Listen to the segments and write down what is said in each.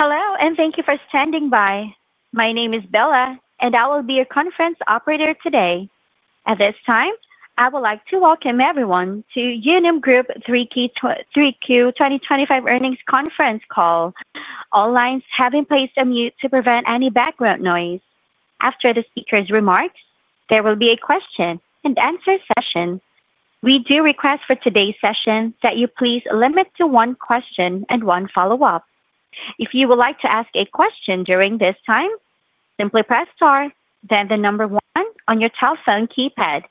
Hello, and thank you for standing by. My name is Bella, and I will be your conference operator today. At this time, I would like to welcome everyone to Unum Group 3Q 2025 earnings conference call. All lines have been placed on mute to prevent any background noise. After the speaker's remarks, there will be a question and answer session. We do request for today's session that you please limit to one question and one follow-up. If you would like to ask a question during this time, simply press Star, then the number one on your telephone keypad.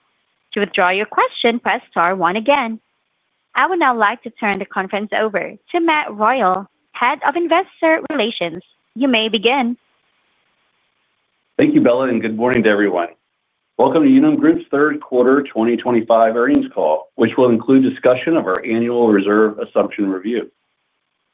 To withdraw your question, press Star one again. I would now like to turn the conference over to Matt Royal, Head of Investor Relations. You may begin. Thank you, Bella, and good morning to everyone. Welcome to Unum Group's third quarter 2025 earnings call, which will include discussion of our annual reserve assumption review.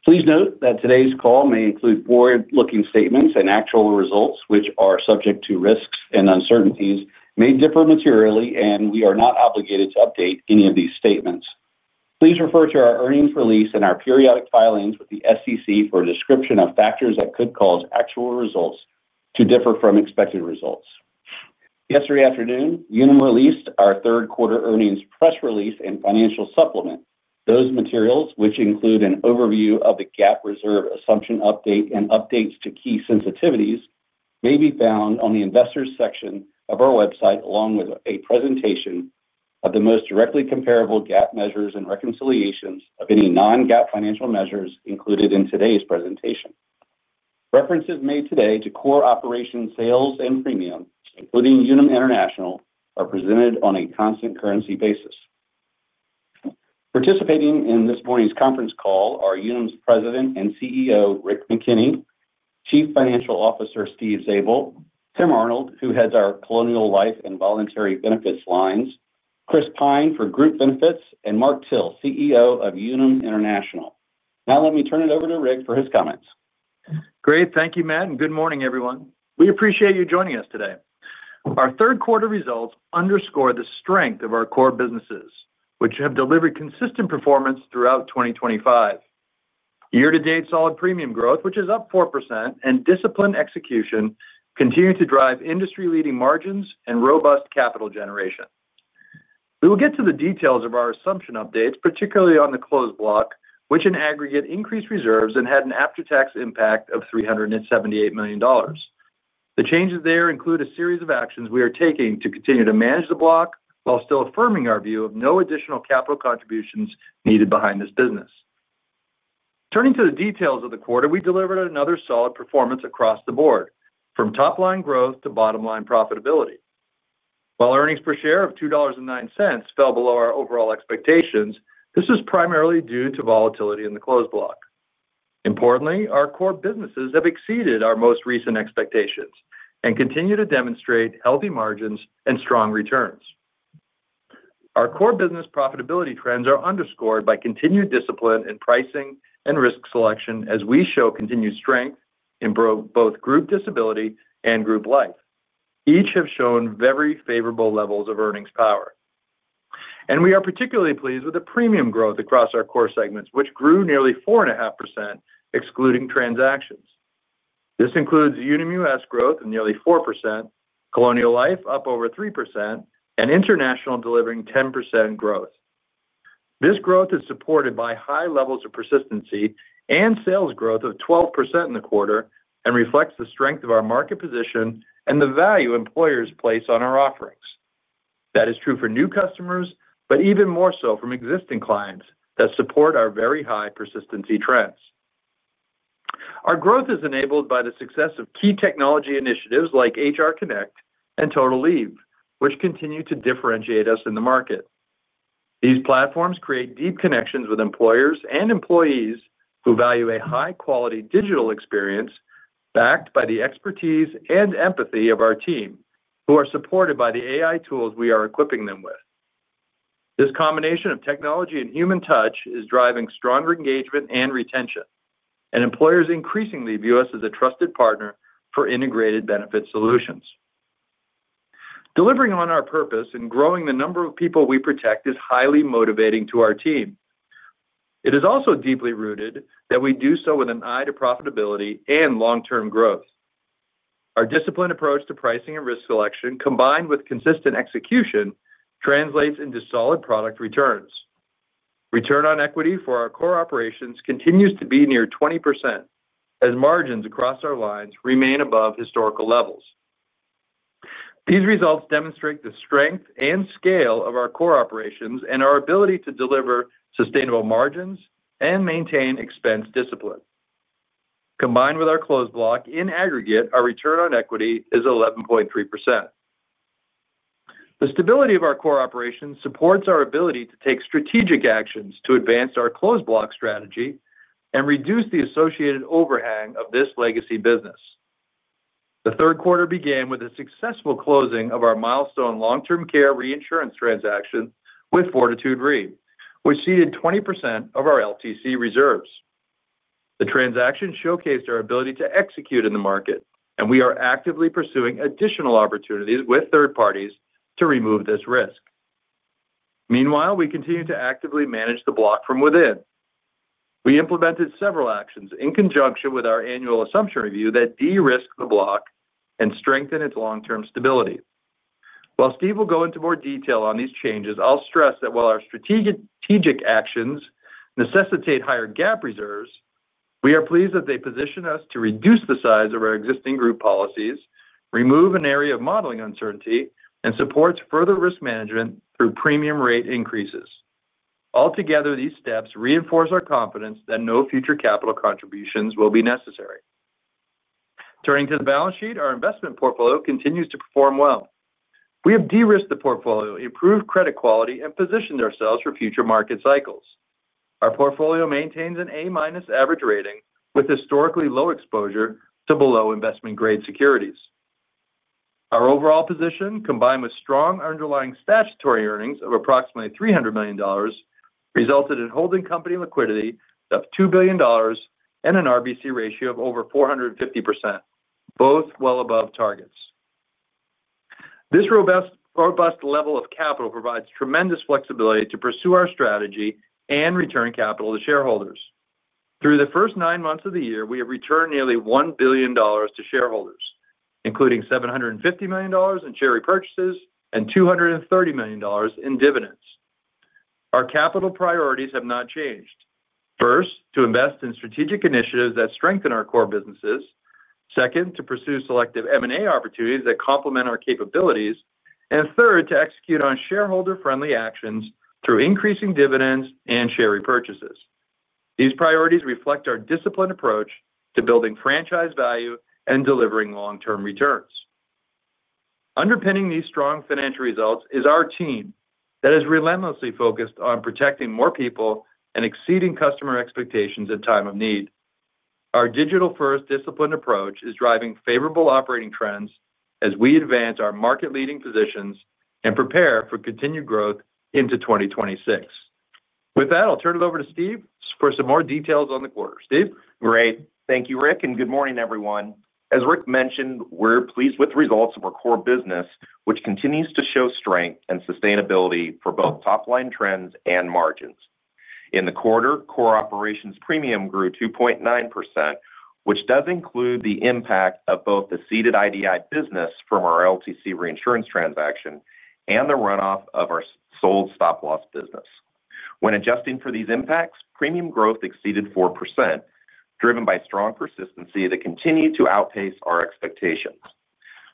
Please note that today's call may include forward-looking statements, and actual results, which are subject to risks and uncertainties, may differ materially, and we are not obligated to update any of these statements. Please refer to our earnings release and our periodic filings with the SEC for a description of factors that could cause actual results to differ from expected results. Yesterday afternoon, Unum released our third quarter earnings press release and financial supplement. Those materials, which include an overview of the GAAP reserve assumption update and updates to key sensitivities, may be found on the Investors section of our website, along with a presentation of the most directly comparable GAAP measures and reconciliations of any non-GAAP financial measures included in today's presentation. References made today to core operations, sales, and premium, including Unum International, are presented on a constant currency basis. Participating in this morning's conference call are Unum's President and CEO, Rick McKenney, Chief Financial Officer, Steve Zabel, Tim Arnold, who heads our Colonial Life and Voluntary Benefits lines, Chris Pyne for Group Benefits, and Mark Till, CEO of Unum International. Now, let me turn it over to Rick for his comments. Great. Thank you, Matt, and good morning, everyone. We appreciate you joining us today. Our third quarter results underscore the strength of our core businesses, which have delivered consistent performance throughout 2025. Year-to-date solid premium growth, which is up 4%, and disciplined execution continue to drive industry-leading margins and robust capital generation. We will get to the details of our assumption updates, particularly on the closed block, which in aggregate increased reserves and had an after-tax impact of $378 million. The changes there include a series of actions we are taking to continue to manage the block while still affirming our view of no additional capital contributions needed behind this business. Turning to the details of the quarter, we delivered another solid performance across the board, from top-line growth to bottom-line profitability. While earnings per share of $2.09 fell below our overall expectations, this was primarily due to volatility in the closed block. Importantly, our core businesses have exceeded our most recent expectations and continue to demonstrate healthy margins and strong returns. Our core business profitability trends are underscored by continued discipline in pricing and risk selection, as we show continued strength in both Group Disability and Group Life. Each has shown very favorable levels of earnings power, and we are particularly pleased with the premium growth across our core segments, which grew nearly 4.5% excluding transactions. This includes Unum US growth of nearly 4%, Colonial Life up over 3%, and International delivering 10% growth. This growth is supported by high levels of persistency and sales growth of 12% in the quarter and reflects the strength of our market position and the value employers place on our offerings. That is true for new customers, but even more so from existing clients that support our very high persistency trends. Our growth is enabled by the success of key technology initiatives like HR Connect and Total Leave, which continue to differentiate us in the market. These platforms create deep connections with employers and employees who value a high-quality digital experience backed by the expertise and empathy of our team, who are supported by the AI tools we are equipping them with. This combination of technology and human touch is driving stronger engagement and retention, and employers increasingly view us as a trusted partner for integrated benefit solutions. Delivering on our purpose and growing the number of people we protect is highly motivating to our team. It is also deeply rooted that we do so with an eye to profitability and long-term growth. Our disciplined approach to pricing and risk selection, combined with consistent execution, translates into solid product returns. Return on equity for our core operations continues to be near 20%, as margins across our lines remain above historical levels. These results demonstrate the strength and scale of our core operations and our ability to deliver sustainable margins and maintain expense discipline. Combined with our closed block, in aggregate, our return on equity is 11.3%. The stability of our core operations supports our ability to take strategic actions to advance our closed block strategy and reduce the associated overhang of this legacy business. The third quarter began with a successful closing of our milestone long-term care reinsurance transaction with Fortitude Re, which ceded 20% of our LTC reserves. The transaction showcased our ability to execute in the market, and we are actively pursuing additional opportunities with third parties to remove this risk. Meanwhile, we continue to actively manage the block from within. We implemented several actions in conjunction with our annual assumption review that de-risk the block and strengthen its long-term stability. While Steve will go into more detail on these changes, I'll stress that while our strategic actions necessitate higher GAAP reserves, we are pleased that they position us to reduce the size of our existing Group policies, remove an area of modeling uncertainty, and support further risk management through premium rate increases. Altogether, these steps reinforce our confidence that no future capital contributions will be necessary. Turning to the balance sheet, our investment portfolio continues to perform well. We have de-risked the portfolio, improved credit quality, and positioned ourselves for future market cycles. Our portfolio maintains an A- average rating with historically low exposure to below investment-grade securities. Our overall position, combined with strong underlying statutory earnings of approximately $300 million, resulted in holding company liquidity of $2 billion and an RBC ratio of over 450%, both well above targets. This robust level of capital provides tremendous flexibility to pursue our strategy and return capital to shareholders. Through the first nine months of the year, we have returned nearly $1 billion to shareholders, including $750 million in share repurchases and $230 million in dividends. Our capital priorities have not changed. First, to invest in strategic initiatives that strengthen our core businesses. Second, to pursue selective M&A opportunities that complement our capabilities, and third, to execute on shareholder-friendly actions through increasing dividends and share repurchases. These priorities reflect our disciplined approach to building franchise value and delivering long-term returns. Underpinning these strong financial results is our team that has relentlessly focused on protecting more people and exceeding customer expectations in time of need. Our digital-first disciplined approach is driving favorable operating trends as we advance our market-leading positions and prepare for continued growth into 2026. With that, I'll turn it over to Steve for some more details on the quarter. Steve. Great. Thank you, Rick, and good morning, everyone. As Rick mentioned, we're pleased with the results of our core business, which continues to show strength and sustainability for both top-line trends and margins. In the quarter, core operations premium grew 2.9%, which does include the impact of both the ceded IDI business from our LTC reinsurance transaction and the runoff of our sold stop-loss business. When adjusting for these impacts, premium growth exceeded 4%, driven by strong persistency that continued to outpace our expectations.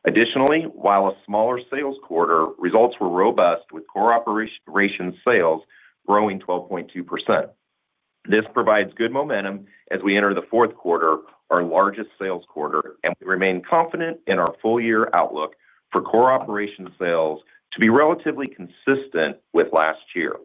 Additionally, while a smaller sales quarter, results were robust, with core operations sales growing 12.2%. This provides good momentum as we enter the fourth quarter, our largest sales quarter, and we remain confident in our full-year outlook for core operations sales to be relatively consistent with last year.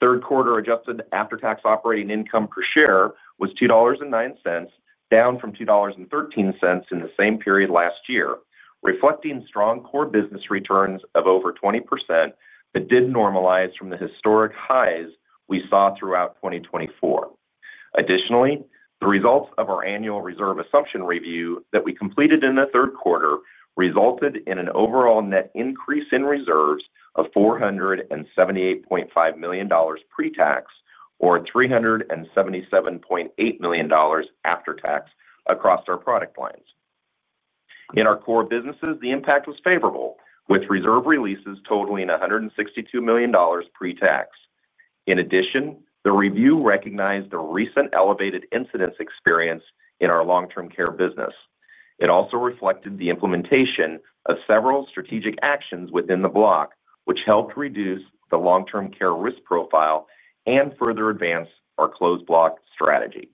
Third quarter adjusted after-tax operating income per share was $2.09, down from $2.13 in the same period last year, reflecting strong core business returns of over 20% that did normalize from the historic highs we saw throughout 2024. Additionally, the results of our annual reserve assumption review that we completed in the third quarter resulted in an overall net increase in reserves of $478.5 million pre-tax or $377.8 million after-tax across our product lines. In our core businesses, the impact was favorable, with reserve releases totaling $162 million pre-tax. In addition, the review recognized the recent elevated incidence experience in our long-term care business. It also reflected the implementation of several strategic actions within the block, which helped reduce the long-term care risk profile and further advance our closed block strategy.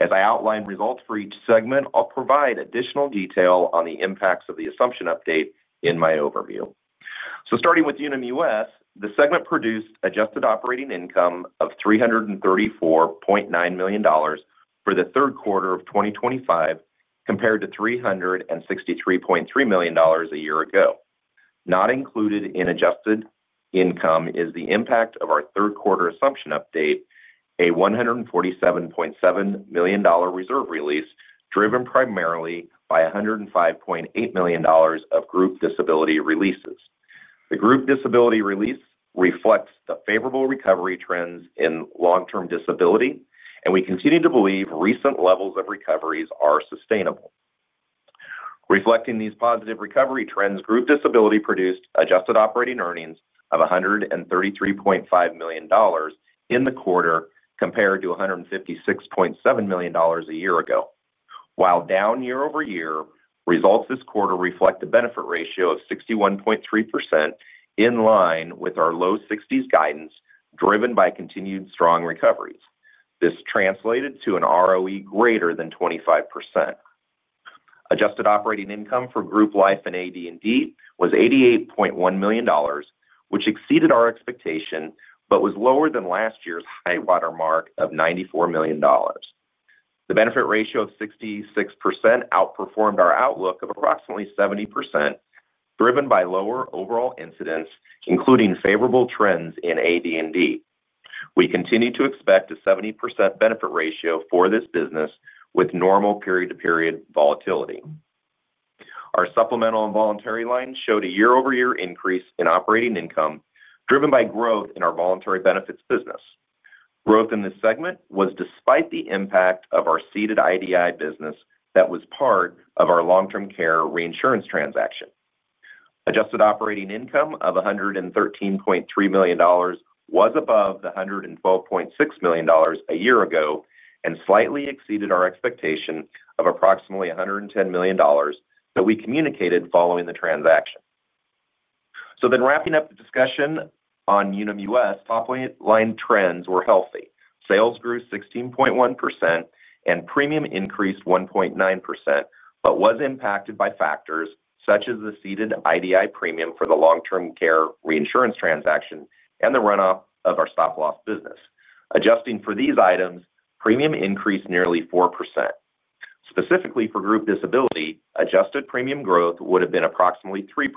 As I outline results for each segment, I'll provide additional detail on the impacts of the assumption update in my overview. So starting with Unum US, the segment produced adjusted operating income of $334.9 million for the third quarter of 2025 compared to $363.3 million a year ago. Not included in adjusted income is the impact of our third quarter assumption update, a $147.7 million reserve release driven primarily by $105.8 million of Group Disability releases. The Group Disability release reflects the favorable recovery trends in long-term disability, and we continue to believe recent levels of recoveries are sustainable. Reflecting these positive recovery trends, Group Disability produced adjusted operating earnings of $133.5 million in the quarter compared to $156.7 million a year ago. While down year over year, results this quarter reflect a benefit ratio of 61.3% in line with our low 60s guidance driven by continued strong recoveries. This translated to an ROE greater than 25%. Adjusted operating income for Group Life and AD&D was $88.1 million, which exceeded our expectation but was lower than last year's high-water mark of $94 million. The benefit ratio of 66% outperformed our outlook of approximately 70%, driven by lower overall incidence, including favorable trends in AD&D. We continue to expect a 70% benefit ratio for this business with normal period-to-period volatility. Our supplemental and voluntary lines showed a year-over-year increase in operating income driven by growth in our voluntary benefits business. Growth in this segment was despite the impact of our ceded IDI business that was part of our long-term care reinsurance transaction. Adjusted operating income of $113.3 million was above the $112.6 million a year ago and slightly exceeded our expectation of approximately $110 million that we communicated following the transaction. So then wrapping up the discussion on Unum US, top-line trends were healthy. Sales grew 16.1% and premium increased 1.9%, but was impacted by factors such as the ceded IDI premium for the long-term care reinsurance transaction and the runoff of our stop-loss business. Adjusting for these items, premium increased nearly 4%. Specifically for Group Disability, adjusted premium growth would have been approximately 3%.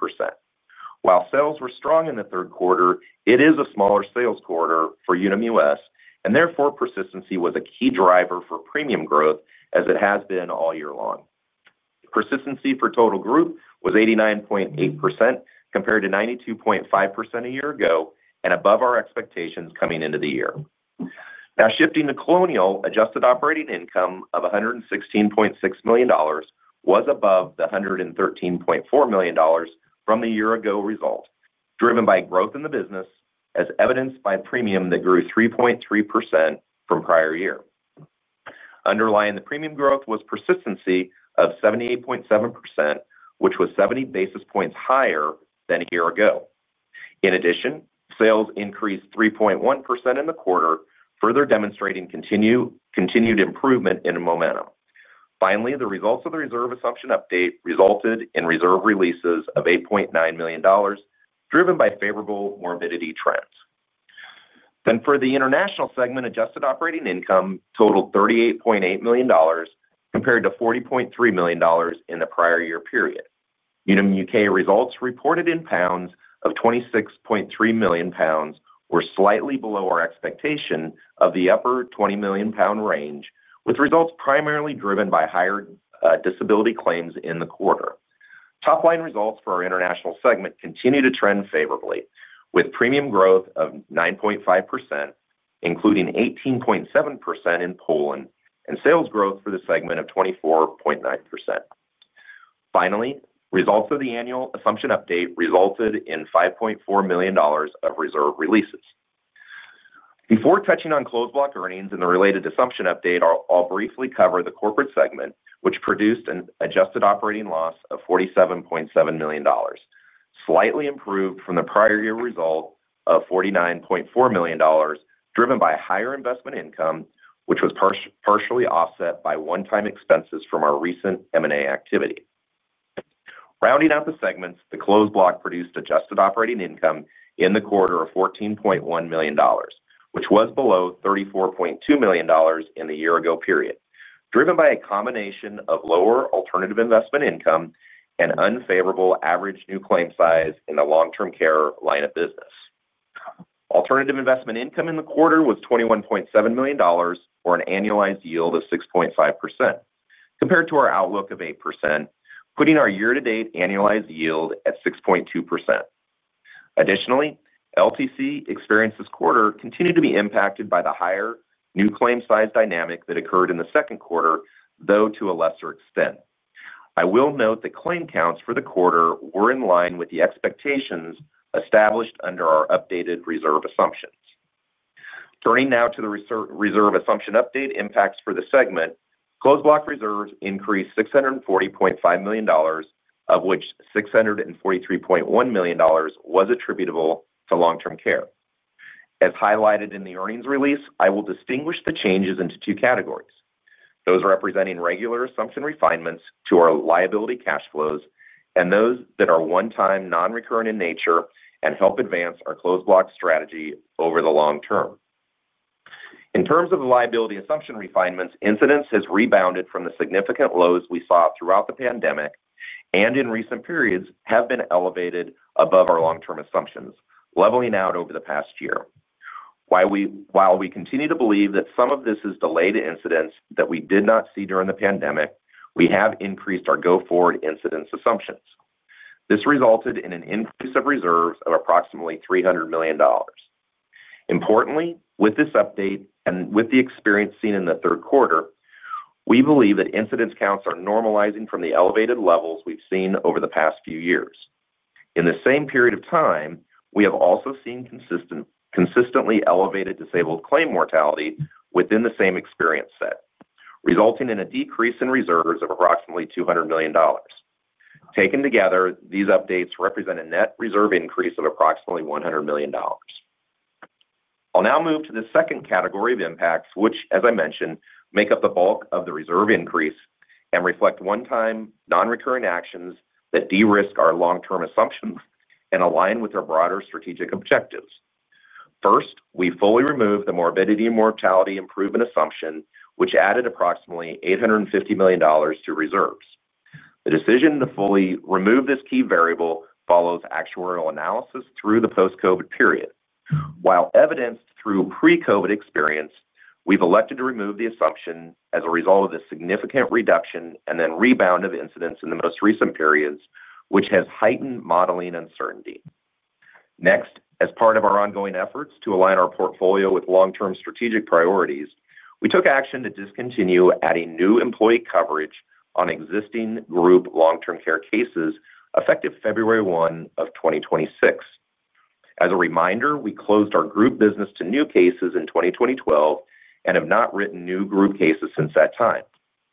While sales were strong in the third quarter, it is a smaller sales quarter for Unum US, and therefore persistency was a key driver for premium growth as it has been all year long. Persistency for total group was 89.8% compared to 92.5% a year ago and above our expectations coming into the year. Now shifting to Colonial, adjusted operating income of $116.6 million was above the $113.4 million from the year-ago result, driven by growth in the business, as evidenced by premium that grew 3.3% from prior year. Underlying the premium growth was persistency of 78.7%, which was 70 basis points higher than a year ago. In addition, sales increased 3.1% in the quarter, further demonstrating continued improvement in momentum. Finally, the results of the reserve assumption update resulted in reserve releases of $8.9 million, driven by favorable morbidity trends. Then for the international segment, adjusted operating income totaled $38.8 million compared to $40.3 million in the prior year period. Unum U.K. results reported in GBP of 26.3 million pounds were slightly below our expectation of the upper 20 million-GBP range, with results primarily driven by higher disability claims in the quarter. Top-line results for our international segment continue to trend favorably, with premium growth of 9.5%, including 18.7% in Poland, and sales growth for the segment of 24.9%. Finally, results of the annual assumption update resulted in $5.4 million of reserve releases. Before touching on closed block earnings and the related assumption update, I will briefly cover the corporate segment, which produced an adjusted operating loss of $47.7 million, slightly improved from the prior year result of $49.4 million, driven by higher investment income, which was partially offset by one-time expenses from our recent M&A activity. Rounding out the segments, the closed block produced adjusted operating income in the quarter of $14.1 million, which was below $34.2 million in the year-ago period, driven by a combination of lower alternative investment income and unfavorable average new claim size in the long-term care line of business. Alternative investment income in the quarter was $21.7 million, or an annualized yield of 6.5%, compared to our outlook of 8%, putting our year-to-date annualized yield at 6.2%. Additionally, LTC experienced this quarter continued to be impacted by the higher new claim size dynamic that occurred in the second quarter, though to a lesser extent. I will note that claim counts for the quarter were in line with the expectations established under our updated reserve assumptions. Turning now to the reserve assumption update impacts for the segment, closed block reserves increased $640.5 million, of which $643.1 million was attributable to long-term care. As highlighted in the earnings release, I will distinguish the changes into two categories: those representing regular assumption refinements to our liability cash flows and those that are one-time non-recurrent in nature and help advance our closed block strategy over the long term. In terms of liability assumption refinements, incidence has rebounded from the significant lows we saw throughout the pandemic, and in recent periods have been elevated above our long-term assumptions, leveling out over the past year. While we continue to believe that some of this is delayed incidence that we did not see during the pandemic, we have increased our go-forward incidence assumptions. This resulted in an increase of reserves of approximately $300 million. Importantly, with this update and with the experience seen in the third quarter, we believe that incidence counts are normalizing from the elevated levels we've seen over the past few years. In the same period of time, we have also seen consistently elevated disabled claim mortality within the same experience set, resulting in a decrease in reserves of approximately $200 million. Taken together, these updates represent a net reserve increase of approximately $100 million. I'll now move to the second category of impacts, which, as I mentioned, make up the bulk of the reserve increase and reflect one-time non-recurrent actions that de-risk our long-term assumptions and align with our broader strategic objectives. First, we fully removed the morbidity and mortality improvement assumption, which added approximately $850 million to reserves. The decision to fully remove this key variable follows actuarial analysis through the post-COVID period. While evidenced through pre-COVID experience, we've elected to remove the assumption as a result of the significant reduction and then rebound of incidence in the most recent periods, which has heightened modeling uncertainty. Next, as part of our ongoing efforts to align our portfolio with long-term strategic priorities, we took action to discontinue adding new employee coverage on existing group long-term care cases effective February 1 of 2026. As a reminder, we closed our group business to new cases in 2022 and have not written new group cases since that time.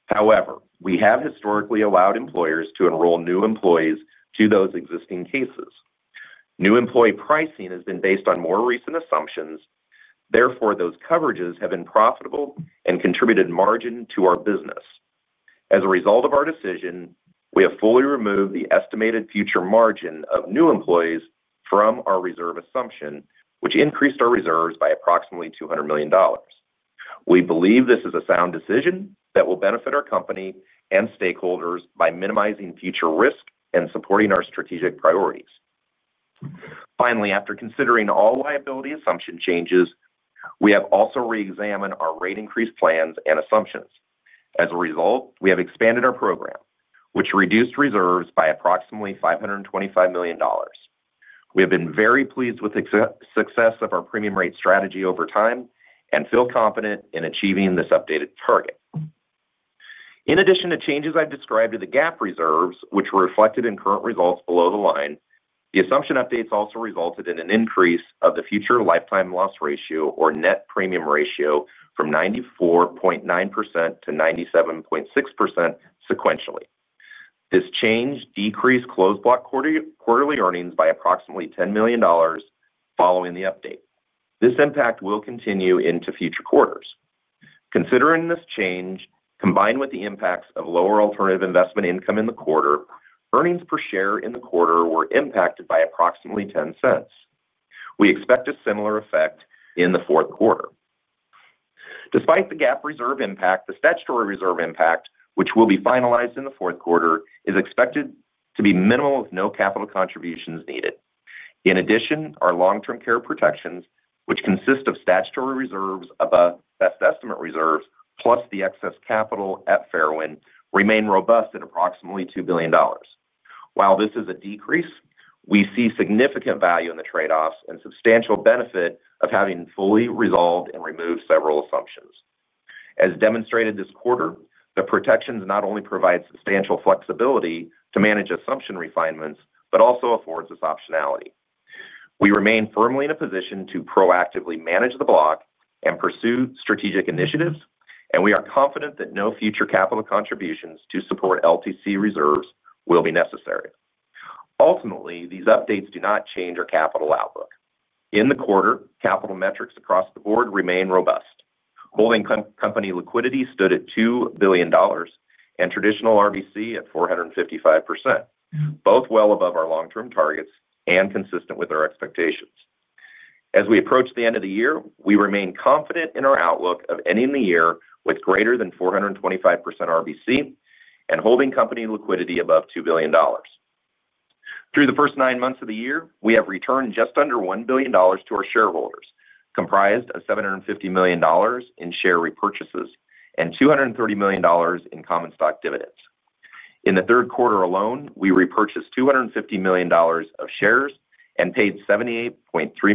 However, we have historically allowed employers to enroll new employees to those existing cases. New employee pricing has been based on more recent assumptions. Therefore, those coverages have been profitable and contributed margin to our business. As a result of our decision, we have fully removed the estimated future margin of new employees from our reserve assumption, which increased our reserves by approximately $200 million. We believe this is a sound decision that will benefit our company and stakeholders by minimizing future risk and supporting our strategic priorities. Finally, after considering all liability assumption changes, we have also re-examined our rate increase plans and assumptions. As a result, we have expanded our program, which reduced reserves by approximately $525 million. We have been very pleased with the success of our premium rate strategy over time and feel confident in achieving this updated target. In addition to changes I've described to the GAAP reserves, which were reflected in current results below the line, the assumption updates also resulted in an increase of the future lifetime loss ratio, or net premium ratio, from 94.9%-97.6% sequentially. This change decreased closed block quarterly earnings by approximately $10 million following the update. This impact will continue into future quarters. Considering this change, combined with the impacts of lower alternative investment income in the quarter, earnings per share in the quarter were impacted by approximately 10 cents. We expect a similar effect in the fourth quarter. Despite the GAAP reserve impact, the statutory reserve impact, which will be finalized in the fourth quarter, is expected to be minimal with no capital contributions needed. In addition, our long-term care protections, which consist of statutory reserves of best estimate reserves plus the excess capital at Fairwind, remain robust at approximately $2 billion. While this is a decrease, we see significant value in the trade-offs and substantial benefit of having fully resolved and removed several assumptions. As demonstrated this quarter, the protections not only provide substantial flexibility to manage assumption refinements but also afford this optionality. We remain firmly in a position to proactively manage the block and pursue strategic initiatives, and we are confident that no future capital contributions to support LTC reserves will be necessary. Ultimately, these updates do not change our capital outlook. In the quarter, capital metrics across the board remain robust. Holding company liquidity stood at $2 billion and traditional RBC at 455%, both well above our long-term targets and consistent with our expectations. As we approach the end of the year, we remain confident in our outlook of ending the year with greater than 425% RBC and holding company liquidity above $2 billion. Through the first nine months of the year, we have returned just under $1 billion to our shareholders, comprised of $750 million in share repurchases and $230 million in common stock dividends. In the third quarter alone, we repurchased $250 million of shares and paid $78.3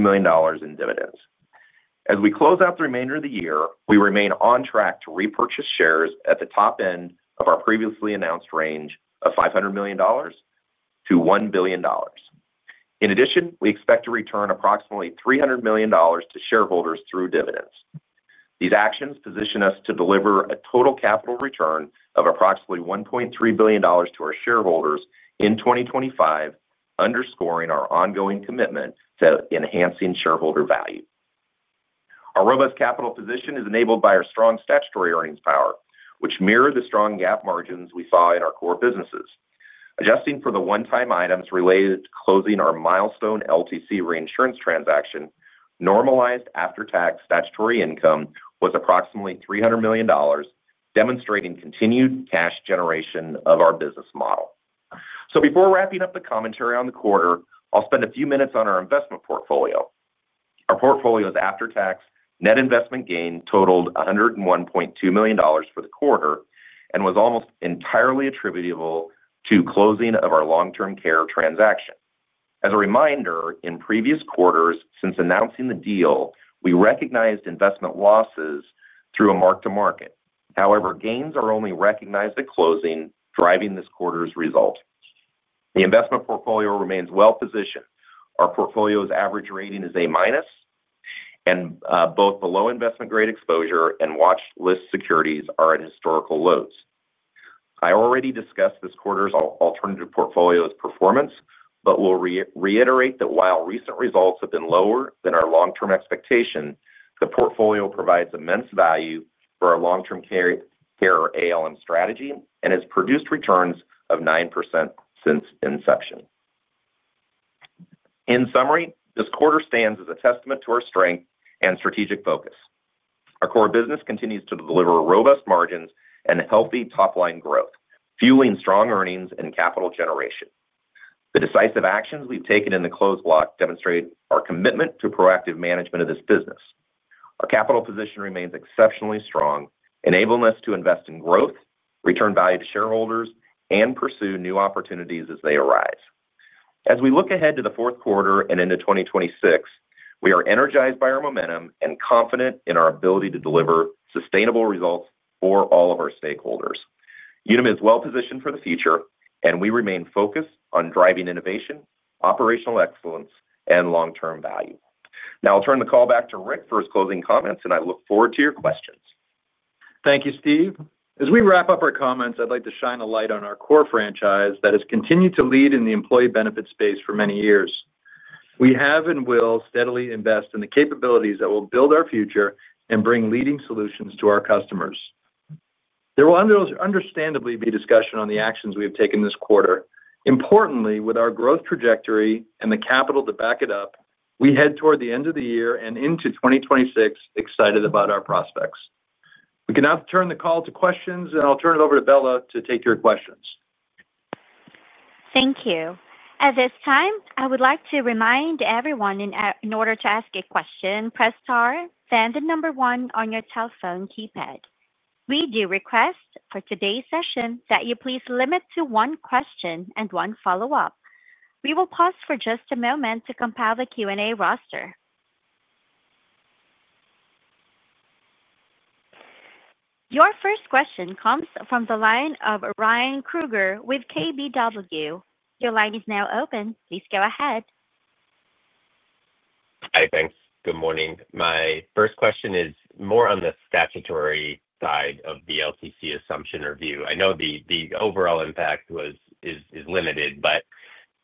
million in dividends. As we close out the remainder of the year, we remain on track to repurchase shares at the top end of our previously announced range of $500 million-$1 billion. In addition, we expect to return approximately $300 million to shareholders through dividends. These actions position us to deliver a total capital return of approximately $1.3 billion to our shareholders in 2025, underscoring our ongoing commitment to enhancing shareholder value. Our robust capital position is enabled by our strong statutory earnings power, which mirrors the strong GAAP margins we saw in our core businesses. Adjusting for the one-time items related to closing our milestone LTC reinsurance transaction, normalized after-tax statutory income was approximately $300 million, demonstrating continued cash generation of our business model, so before wrapping up the commentary on the quarter, I'll spend a few minutes on our investment portfolio. Our portfolio's after-tax net investment gain totaled $101.2 million for the quarter and was almost entirely attributable to closing of our long-term care transaction. As a reminder, in previous quarters, since announcing the deal, we recognized investment losses through a mark-to-market. However, gains are only recognized at closing, driving this quarter's result. The investment portfolio remains well-positioned. Our portfolio's average rating is A-, and both below investment-grade exposure and watchlist securities are at historical lows. I already discussed this quarter's alternative portfolio's performance, but will reiterate that while recent results have been lower than our long-term expectation, the portfolio provides immense value for our long-term care ALM strategy and has produced returns of 9% since inception. In summary, this quarter stands as a testament to our strength and strategic focus. Our core business continues to deliver robust margins and healthy top-line growth, fueling strong earnings and capital generation. The decisive actions we've taken in the closed block demonstrate our commitment to proactive management of this business. Our capital position remains exceptionally strong, enabling us to invest in growth, return value to shareholders, and pursue new opportunities as they arise. As we look ahead to the fourth quarter and into 2026, we are energized by our momentum and confident in our ability to deliver sustainable results for all of our stakeholders. Unum is well-positioned for the future, and we remain focused on driving innovation, operational excellence, and long-term value. Now I'll turn the call back to Rick for his closing comments, and I look forward to your questions. Thank you, Steve. As we wrap up our comments, I'd like to shine a light on our core franchise that has continued to lead in the employee benefits space for many years. We have and will steadily invest in the capabilities that will build our future and bring leading solutions to our customers. There will understandably be discussion on the actions we have taken this quarter. Importantly, with our growth trajectory and the capital to back it up, we head toward the end of the year and into 2026 excited about our prospects. We can now turn the call to questions, and I'll turn it over to Bella to take your questions. Thank you. At this time, I would like to remind everyone in order to ask a question, press star, then the number one on your telephone keypad. We do request for today's session that you please limit to one question and one follow-up. We will pause for just a moment to compile the Q&A roster. Your first question comes from the line of Ryan Krueger with KBW. Your line is now open. Please go ahead. Hi, thanks. Good morning. My first question is more on the statutory side of the LTC assumption review. I know the overall impact is limited, but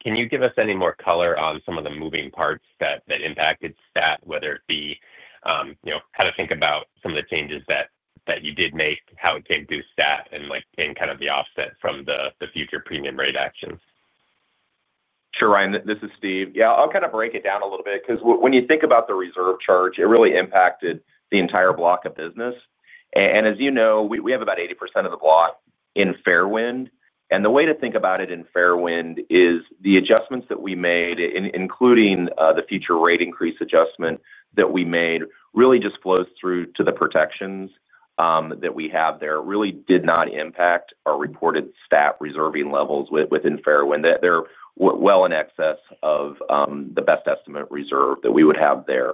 can you give us any more color on some of the moving parts that impacted STAT, whether it be how to think about some of the changes that you did make, how it came through STAT, and kind of the offset from the future premium rate actions? Sure, Ryan. This is Steve. Yeah, I'll kind of break it down a little bit because when you think about the reserve charge, it really impacted the entire block of business. And as you know, we have about 80% of the block in Fairwind. And the way to think about it in Fairwind is the adjustments that we made, including the future rate increase adjustment that we made, really just flows through to the protections that we have there, really did not impact our reported STAT reserving levels within Fairwind. They're well in excess of the best estimate reserve that we would have there.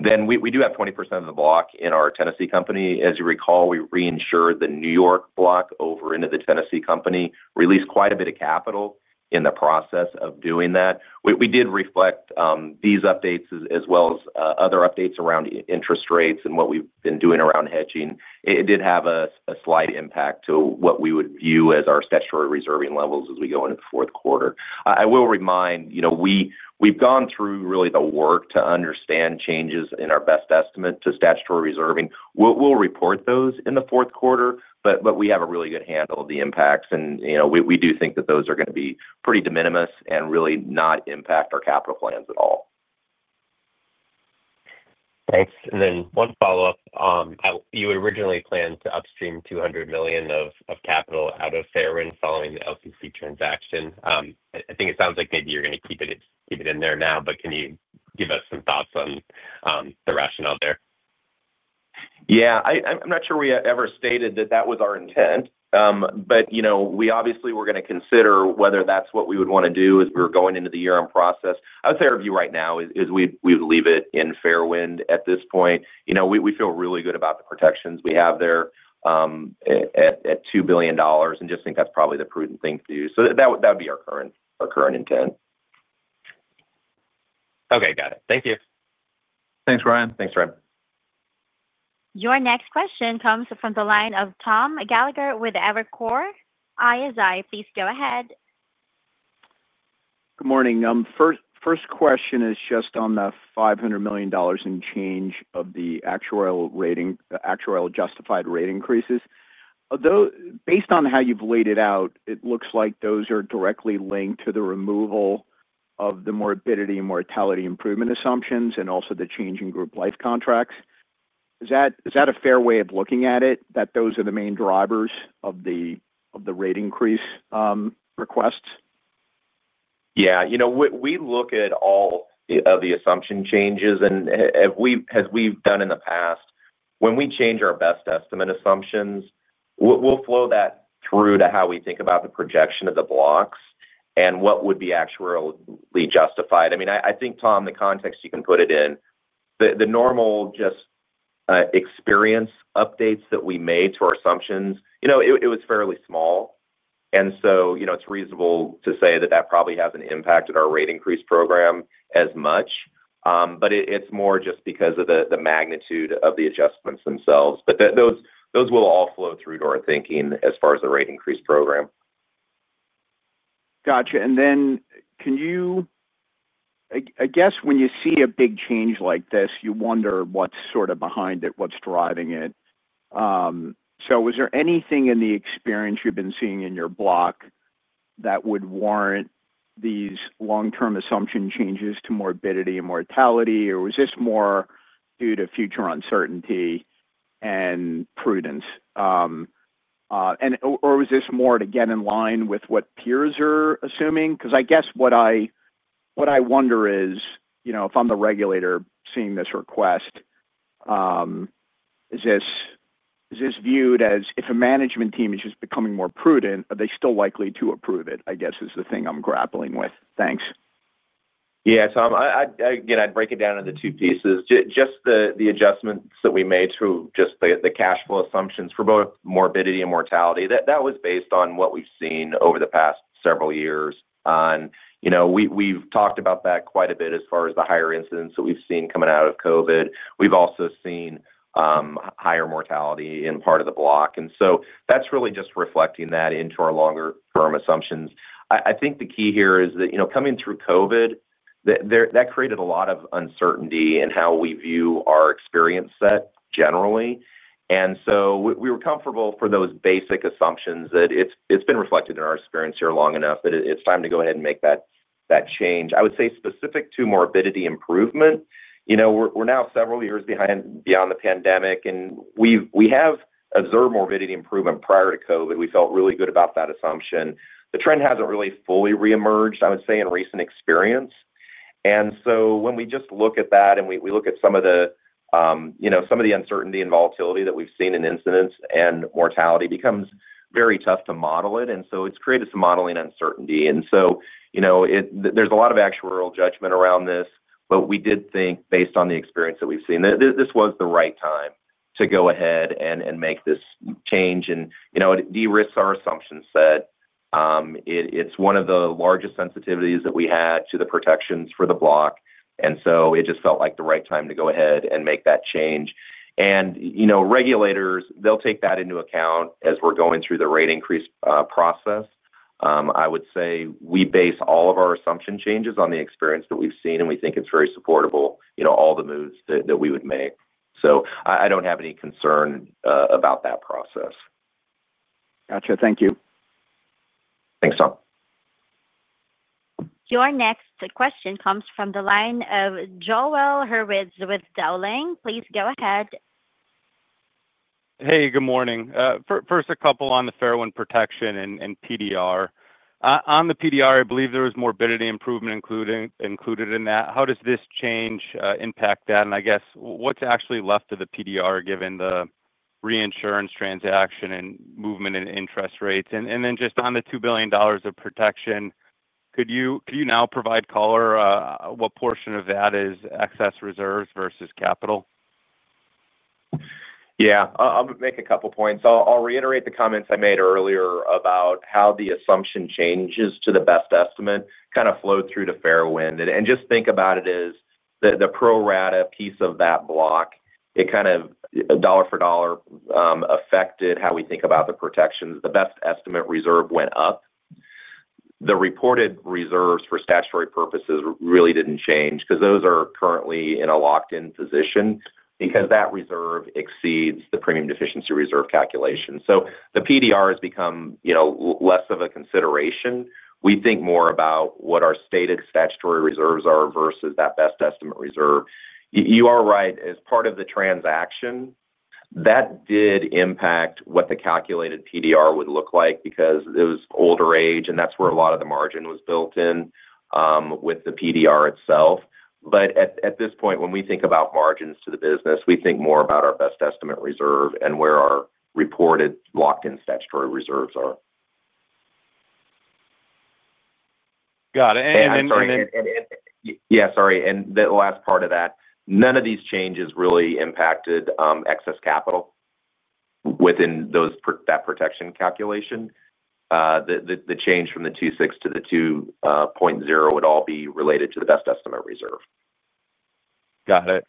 Then we do have 20% of the block in our Tennessee company. As you recall, we reinsured the New York block over into the Tennessee company, released quite a bit of capital in the process of doing that. We did reflect these updates as well as other updates around interest rates and what we've been doing around hedging. It did have a slight impact to what we would view as our statutory reserving levels as we go into the fourth quarter. I will remind. We've gone through really the work to understand changes in our best estimate to statutory reserving. We'll report those in the fourth quarter, but we have a really good handle of the impacts. And we do think that those are going to be pretty de minimis and really not impact our capital plans at all. Thanks. And then one follow-up. You originally planned to upstream $200 million of capital out of Fairwind following the LTC transaction. I think it sounds like maybe you're going to keep it in there now, but can you give us some thoughts on the rationale there? Yeah. I'm not sure we ever stated that that was our intent, but we obviously were going to consider whether that's what we would want to do as we were going into the year-end process. I would say our view right now is we would leave it in Fairwind at this point. We feel really good about the protections we have there. At $2 billion and just think that's probably the prudent thing to do. So that would be our current intent. Okay. Got it. Thank you. Thanks, Ryan. Thanks, Ryan. Your ne Your next question comes from the line of Tom Gallagher with Evercore ISI. Please go ahead. Good morning. First question is just on the $500 million and change of the actuarial justified rate increases. Based on how you've laid it out, it looks like those are directly linked to the removal of the morbidity and mortality improvement assumptions and also the change in group life contracts. Is that a fair way of looking at it, that those are the main drivers of the rate increase? Yeah. We look at all of the assumption changes. And as we've done in the past, when we change our best estimate assumptions, we'll flow that through to how we think about the projection of the blocks and what would be actually justified. I mean, I think, Tom, the context you can put it in. The normal just experience updates that we made to our assumptions, it was fairly small. And so it's reasonable to say that that probably hasn't impacted our rate increase program as much. But it's more just because of the magnitude of the adjustments themselves. But those will all flow through to our thinking as far as the rate increase program. Gotcha. And then can you? I guess when you see a big change like this, you wonder what's sort of behind it, what's driving it. So was there anything in the experience you've been seeing in your block that would warrant these long-term assumption changes to morbidity and mortality, or was this more due to future uncertainty and prudence? Or was this more to get in line with what peers are assuming? Because I guess what I wonder is, if I'm the regulator seeing this request, is this viewed as if a management team is just becoming more prudent, are they still likely to approve it, I guess, is the thing I'm grappling with. Thanks. Yeah. So again, I'd break it down into two pieces. Just the adjustments that we made to just the cash flow assumptions for both morbidity and mortality, that was based on what we've seen over the past several years. We've talked about that quite a bit as far as the higher incidence that we've seen coming out of COVID. We've also seen higher mortality in part of the block. And so that's really just reflecting that into our longer-term assumptions. I think the key here is that coming through COVID, that created a lot of uncertainty in how we view our experience set generally. And so we were comfortable for those basic assumptions that it's been reflected in our experience here long enough that it's time to go ahead and make that change. I would say specific to morbidity improvement. We're now several years beyond the pandemic, and we have observed morbidity improvement prior to COVID. We felt really good about that assumption. The trend hasn't really fully reemerged, I would say, in recent experience. And so when we just look at that and we look at some of the. Some of the uncertainty and volatility that we've seen in incidents and mortality, it becomes very tough to model it. And so it's created some modeling uncertainty. There's a lot of actuarial judgment around this, but we did think, based on the experience that we've seen, this was the right time to go ahead and make this change. And it de-risked our assumption set. It's one of the largest sensitivities that we had to the protections for the block. And so it just felt like the right time to go ahead and make that change. Regulators, they'll take that into account as we're going through the rate increase process. I would say we base all of our assumption changes on the experience that we've seen, and we think it's very supportable, all the moves that we would make. So I don't have any concern about that process. Gotcha. Thank you. Thanks, Tom. Your next question comes from the line of Joel Hurwitz with Dowling. Please go ahead. Hey, good morning. First, a couple on the Fairwind protection and PDR. On the PDR, I believe there was morbidity improvement included in that. How does this change impact that? And I guess what's actually left of the PDR given the reinsurance transaction and movement in interest rates? And then just on the $2 billion of protection, could you now provide color what portion of that is excess reserves versus capital? Yeah. I'll make a couple of points. I'll reiterate the comments I made earlier about how the assumption changes to the best estimate kind of flowed through to Fairwind. And just think about it as the pro rata piece of that block. It kind of dollar for dollar affected how we think about the protections. The best estimate reserve went up. The reported reserves for statutory purposes really didn't change because those are currently in a locked-in position because that reserve exceeds the premium deficiency reserve calculation. So the PDR has become less of a consideration. We think more about what our stated statutory reserves are versus that best estimate reserve. You are right. As part of the transaction, that did impact what the calculated PDR would look like because it was older age, and that's where a lot of the margin was built in. With the PDR itself. But at this point, when we think about margins to the business, we think more about our best estimate reserve and where our reported locked-in statutory reserves are. Got it. And then. Yeah, sorry. And the last part of that, none of these changes really impacted excess capital. Within that protection calculation. The change from the 2.6 to the 2.0 would all be related to the best estimate reserve. Got it.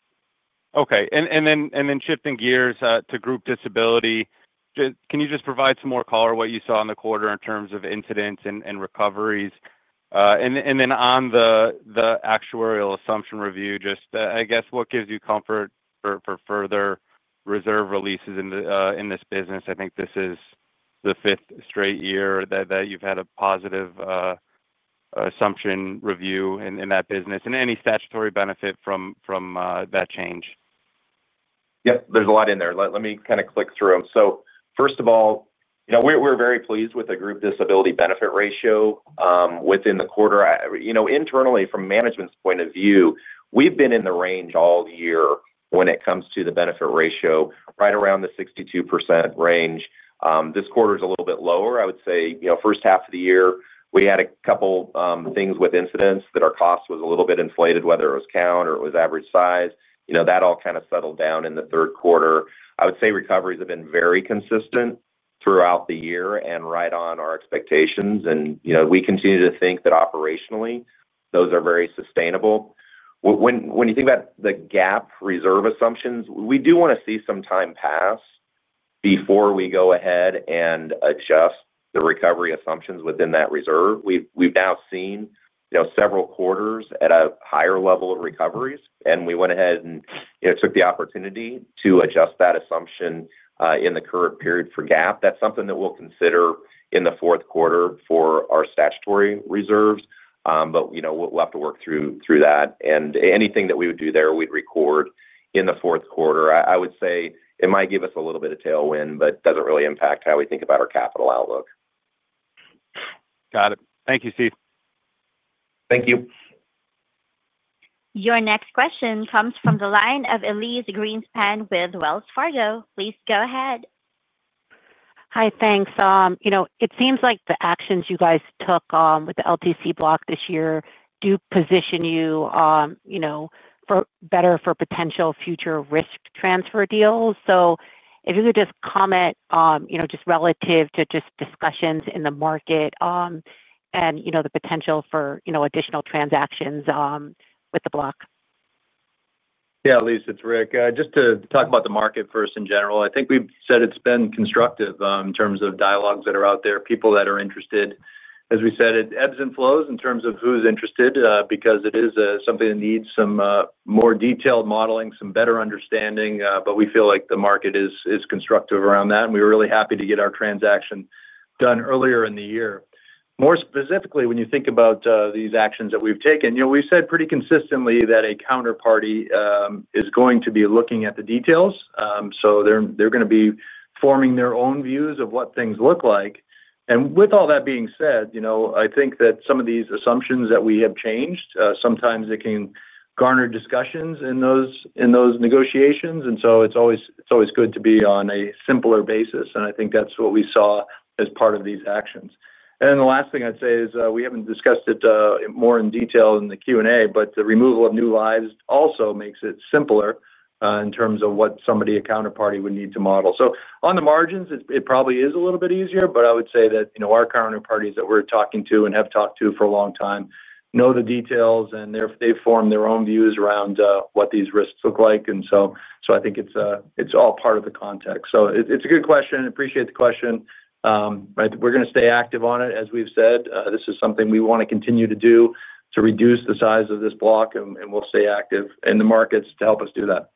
Okay. And then shifting gears to Group Disability, can you just provide some more color what you saw in the quarter in terms of incidents and recoveries? And then on the actuarial assumption review, just I guess what gives you comfort for further reserve releases in this business? I think this is the fifth straight year that you've had a positive assumption review in that business. And any statutory benefit from that change? Yep. There's a lot in there. Let me kind of click through. So first of all, we're very pleased with the group disability benefit ratio within the quarter. Internally, from management's point of view, we've been in the range all year when it comes to the benefit ratio, right around the 62% range. This quarter is a little bit lower. I would say first half of the year, we had a couple of things with incidents that our cost was a little bit inflated, whether it was count or it was average size. That all kind of settled down in the third quarter. I would say recoveries have been very consistent throughout the year and right on our expectations. And we continue to think that operationally, those are very sustainable. When you think about the GAAP reserve assumptions, we do want to see some time pass before we go ahead and adjust the recovery assumptions within that reserve. We've now seen several quarters at a higher level of recoveries, and we went ahead and took the opportunity to adjust that assumption in the current period for GAAP. That's something that we'll consider in the fourth quarter for our statutory reserves. But we'll have to work through that. And anything that we would do there, we'd record in the fourth quarter. I would say it might give us a little bit of tailwind, but it doesn't really impact how we think about our capital outlook. Got it. Thank you, Steve. Thank you. Your next question comes from the line of Elyse Greenspan with Wells Fargo. Please go ahead. Hi, thanks. It seems like the actions you guys took with the LTC block this year do position you better for potential future risk transfer deals. So if you could just comment just relative to just discussions in the market and the potential for additional transactions with the block. Yeah, Elyse, it's Rick. Just to talk about the market first in general, I think we've said it's been constructive in terms of dialogues that are out there, people that are interested. As we said, it ebbs and flows in terms of who's interested because it is something that needs some more detailed modeling, some better understanding. But we feel like the market is constructive around that. And we were really happy to get our transaction done earlier in the year. More specifically, when you think about these actions that we've taken, we've said pretty consistently that a counterparty is going to be looking at the details. So they're going to be forming their own views of what things look like. And with all that being said, I think that some of these assumptions that we have changed, sometimes it can garner discussions in those negotiations. And so it's always good to be on a simpler basis. And I think that's what we saw as part of these actions. And then the last thing I'd say is we haven't discussed it more in detail in the Q&A, but the removal of new lives also makes it simpler in terms of what somebody, a counterparty, would need to model. So on the margins, it probably is a little bit easier, but I would say that our counterparties that we're talking to and have talked to for a long time know the details, and they've formed their own views around what these risks look like. And so I think it's all part of the context. So it's a good question. I appreciate the question. We're going to stay active on it. As we've said, this is something we want to continue to do to reduce the size of this block, and we'll stay active in the markets to help us do that.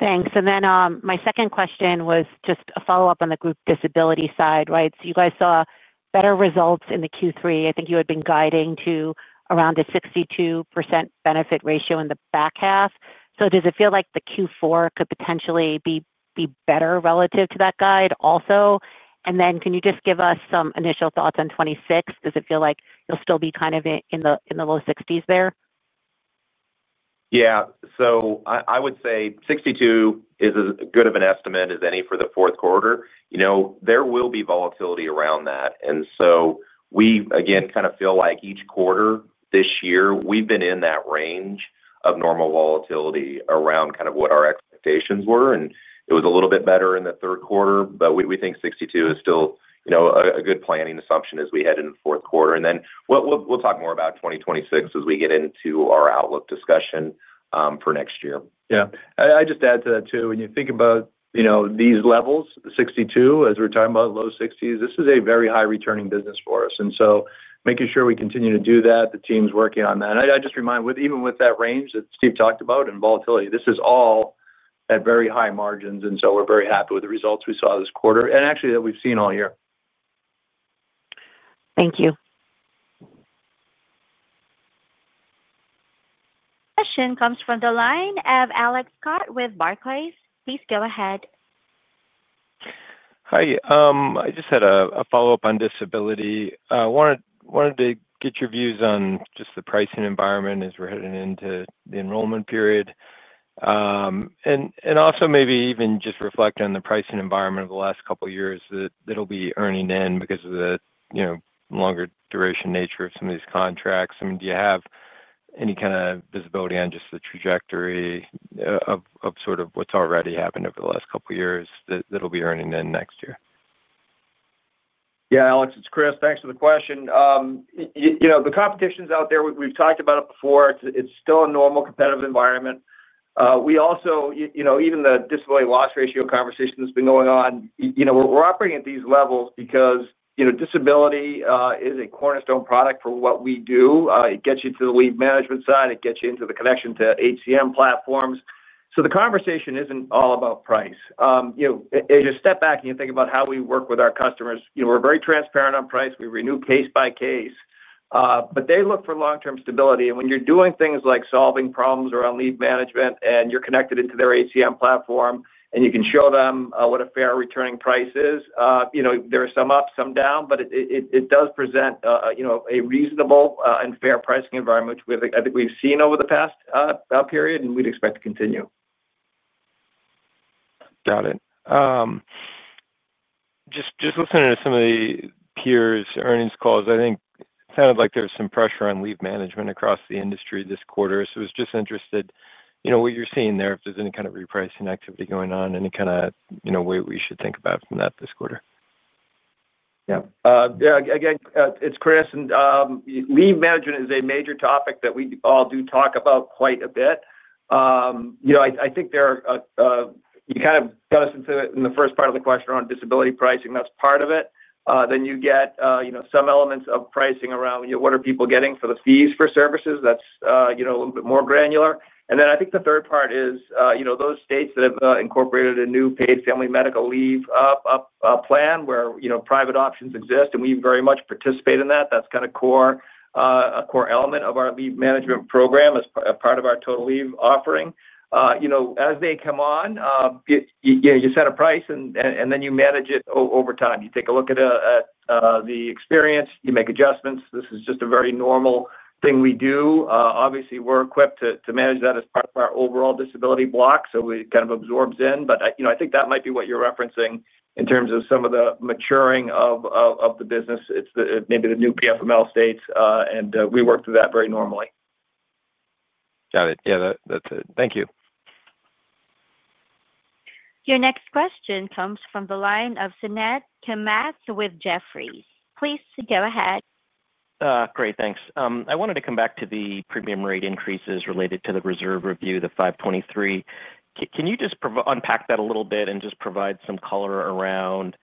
Thanks. And then my second question was just a follow-up on the group disability side, right? So you guys saw better results in the Q3. I think you had been guiding to around a 62% benefit ratio in the back half. So does it feel like the Q4 could potentially be better relative to that guide also? And then can you just give us some initial thoughts on 2026? Does it feel like you'll still be kind of in the low 60s there? Yeah. So I would say 62 is as good of an estimate as any for the fourth quarter. There will be volatility around that. And so we, again, kind of feel like each quarter this year, we've been in that range of normal volatility around kind of what our expectations were. And it was a little bit better in the third quarter, but we think 62 is still a good planning assumption as we head into the fourth quarter. And then we'll talk more about 2026 as we get into our outlook discussion for next year. Yeah. I just add to that too. When you think about these levels, 62, as we're talking about low 60s, this is a very high-returning business for us. And so making sure we continue to do that, the team's working on that. And I just remind, even with that range that Steve talked about and volatility, this is all at very high margins. And so we're very happy with the results we saw this quarter and actually that we've seen all year. Thank you. Question comes from the line of Alex Scott with Barclays. Please go ahead. Hi. I just had a follow-up on disability. I wanted to get your views on just the pricing environment as we're heading into the enrollment period. And also maybe even just reflect on the pricing environment of the last couple of years that it'll be earning in because of the longer duration nature of some of these contracts. I mean, do you have any kind of visibility on just the trajectory of sort of what's already happened over the last couple of years that'll be earning in next year? Yeah, Alex, it's Chris. Thanks for the question. The competition's out there. We've talked about it before. It's still a normal competitive environment. We also, even the disability loss ratio conversation that's been going on, we're operating at these levels because disability is a cornerstone product for what we do. It gets you to the leave management side. It gets you into the connection to HCM platforms. So the conversation isn't all about price. If you step back and you think about how we work with our customers, we're very transparent on price. We renew case by case. But they look for long-term stability. And when you're doing things like solving problems around leave management and you're connected into their HCM platform and you can show them what a fair returning price is. There are some ups, some down, but it does present a reasonable and fair pricing environment, which I think we've seen over the past period and we'd expect to continue. Got it. Just listening to some of the peers' earnings calls, I think it sounded like there was some pressure on leave management across the industry this quarter. So I was just interested in what you're seeing there, if there's any kind of repricing activity going on, any kind of way we should think about that this quarter. Yeah. Again, it's Chris. And leave management is a major topic that we all do talk about quite a bit. I think there are. You kind of got us into it in the first part of the question around disability pricing. That's part of it. Then you get some elements of pricing around what are people getting for the fees for services. That's a little bit more granular. And then I think the third part is those states that have incorporated a new paid family medical leave plan where private options exist, and we very much participate in that. That's kind of a core element of our leave management program as part of our total leave offering. As they come on. You set a price, and then you manage it over time. You take a look at the experience. You make adjustments. This is just a very normal thing we do. Obviously, we're equipped to manage that as part of our overall disability block, so it kind of absorbs in. But I think that might be what you're referencing in terms of some of the maturing of the business. It's maybe the new PFML states, and we work through that very normally. Got it. Yeah, that's it. Thank you. Your next question comes from the line of Suneet Kamath with Jefferies. Please go ahead. Great. Thanks. I wanted to come back to the premium rate increases related to the reserve review, the 523. Can you just unpack that a little bit and just provide some color around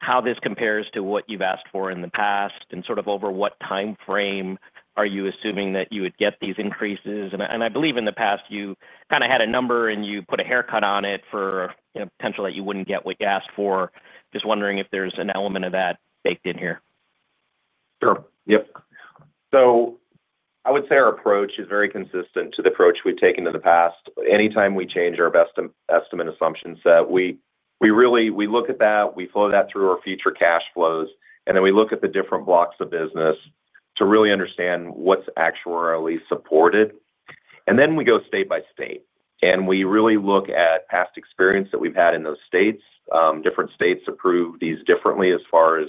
how this compares to what you've asked for in the past and sort of over what timeframe are you assuming that you would get these increases? And I believe in the past, you kind of had a number, and you put a haircut on it for potential that you wouldn't get what you asked for. Just wondering if there's an element of that baked in here. Sure. Yep. So I would say our approach is very consistent to the approach we've taken in the past. Anytime we change our best estimate assumption set, we look at that. We flow that through our future cash flows, and then we look at the different blocks of business to really understand what's actually supported. And then we go state by state, and we really look at past experience that we've had in those states. Different states approve these differently as far as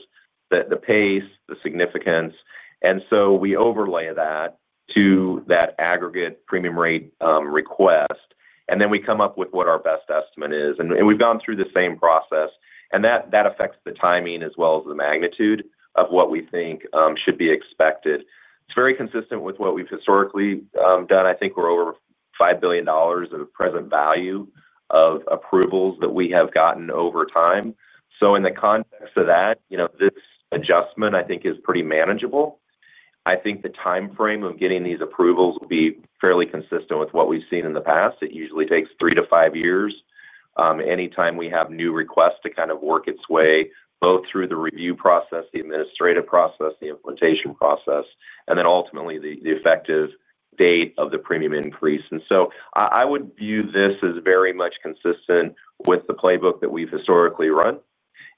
the pace, the significance. And so we overlay that to that aggregate premium rate request, and then we come up with what our best estimate is. And we've gone through the same process. And that affects the timing as well as the magnitude of what we think should be expected. It's very consistent with what we've historically done. I think we're over $5 billion of present value of approvals that we have gotten over time. So in the context of that. This adjustment, I think, is pretty manageable. I think the timeframe of getting these approvals will be fairly consistent with what we've seen in the past. It usually takes three to five years. Anytime we have new requests to kind of work its way both through the review process, the administrative process, the implementation process, and then ultimately the effective date of the premium increase. And so I would view this as very much consistent with the playbook that we've historically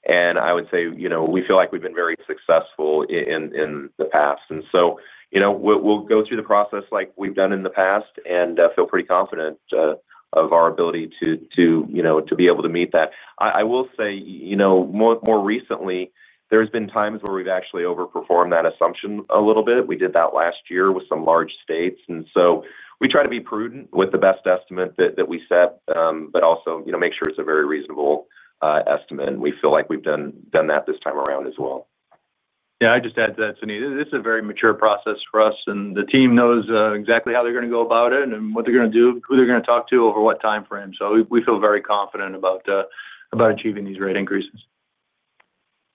run. And I would say we feel like we've been very successful. In the past. And so. We'll go through the process like we've done in the past and feel pretty confident of our ability to. Be able to meet that. I will say. More recently, there have been times where we've actually overperformed that assumption a little bit. We did that last year with some large states. And so we try to be prudent with the best estimate that we set, but also make sure it's a very reasonable estimate. And we feel like we've done that this time around as well. Yeah, I just add to that, Suneet. This is a very mature process for us, and the team knows exactly how they're going to go about it and what they're going to do, who they're going to talk to, over what timeframe. So we feel very confident about achieving these rate increases.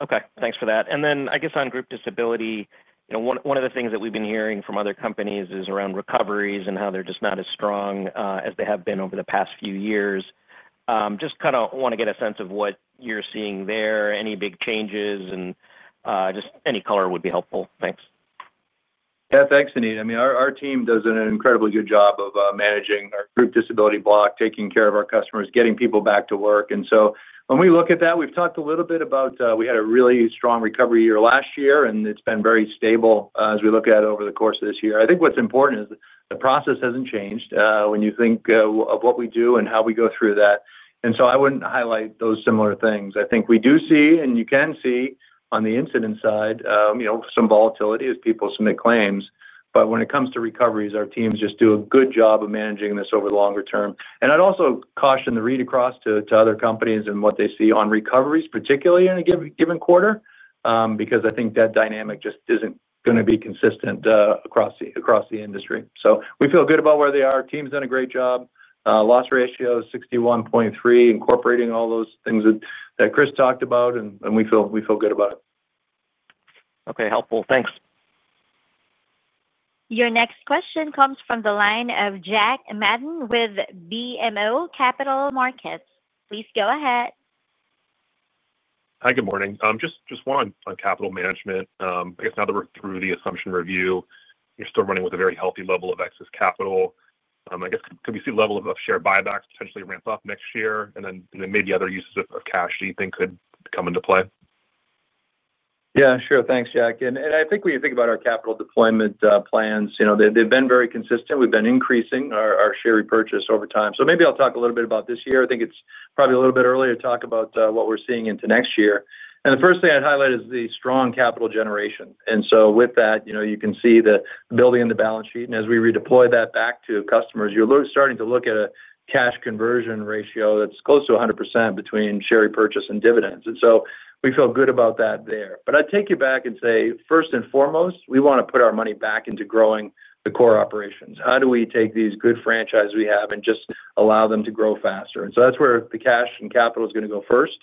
Okay. Thanks for that. And then I guess on group disability, one of the things that we've been hearing from other companies is around recoveries and how they're just not as strong as they have been over the past few years. Just kind of want to get a sense of what you're seeing there, any big changes. And just any color would be helpful. Thanks. Yeah. Thanks, Suneet. I mean, our team does an incredibly good job of managing our group disability block, taking care of our customers, getting people back to work. And so when we look at that, we've talked a little bit about we had a really strong recovery year last year, and it's been very stable as we look at it over the course of this year. I think what's important is the process hasn't changed when you think of what we do and how we go through that. And so I wouldn't highlight those similar things. I think we do see, and you can see on the incident side, some volatility as people submit claims. But when it comes to recoveries, our teams just do a good job of managing this over the longer term. And I'd also caution the read across to other companies and what they see on recoveries, particularly in a given quarter, because I think that dynamic just isn't going to be consistent across the industry. So we feel good about where they are. Our team's done a great job. Loss ratio is 61.3%, incorporating all those things that Chris talked about, and we feel good about it. Okay. Helpful. Thanks. Your next question comes from the line of Jack Matta with BMO Capital Markets. Please go ahead. Hi. Good morning. Just one on capital management. I guess now that we're through the assumption review, you're still running with a very healthy level of excess capital. I guess, could we see a level of share buybacks potentially ramp up next year? And then maybe other uses of cash, do you think, could come into play? Yeah, sure. Thanks, Jack. And I think when you think about our capital deployment plans, they've been very consistent. We've been increasing our share repurchase over time. So maybe I'll talk a little bit about this year. I think it's probably a little bit early to talk about what we're seeing into next year. And the first thing I'd highlight is the strong capital generation. And so with that, you can see the building in the balance sheet. And as we redeploy that back to customers, you're starting to look at a cash conversion ratio that's close to 100% between share repurchase and dividends. And so we feel good about that there. But I'd take you back and say, first and foremost, we want to put our money back into growing the core operations. How do we take these good franchises we have and just allow them to grow faster? And so that's where the cash and capital is going to go first.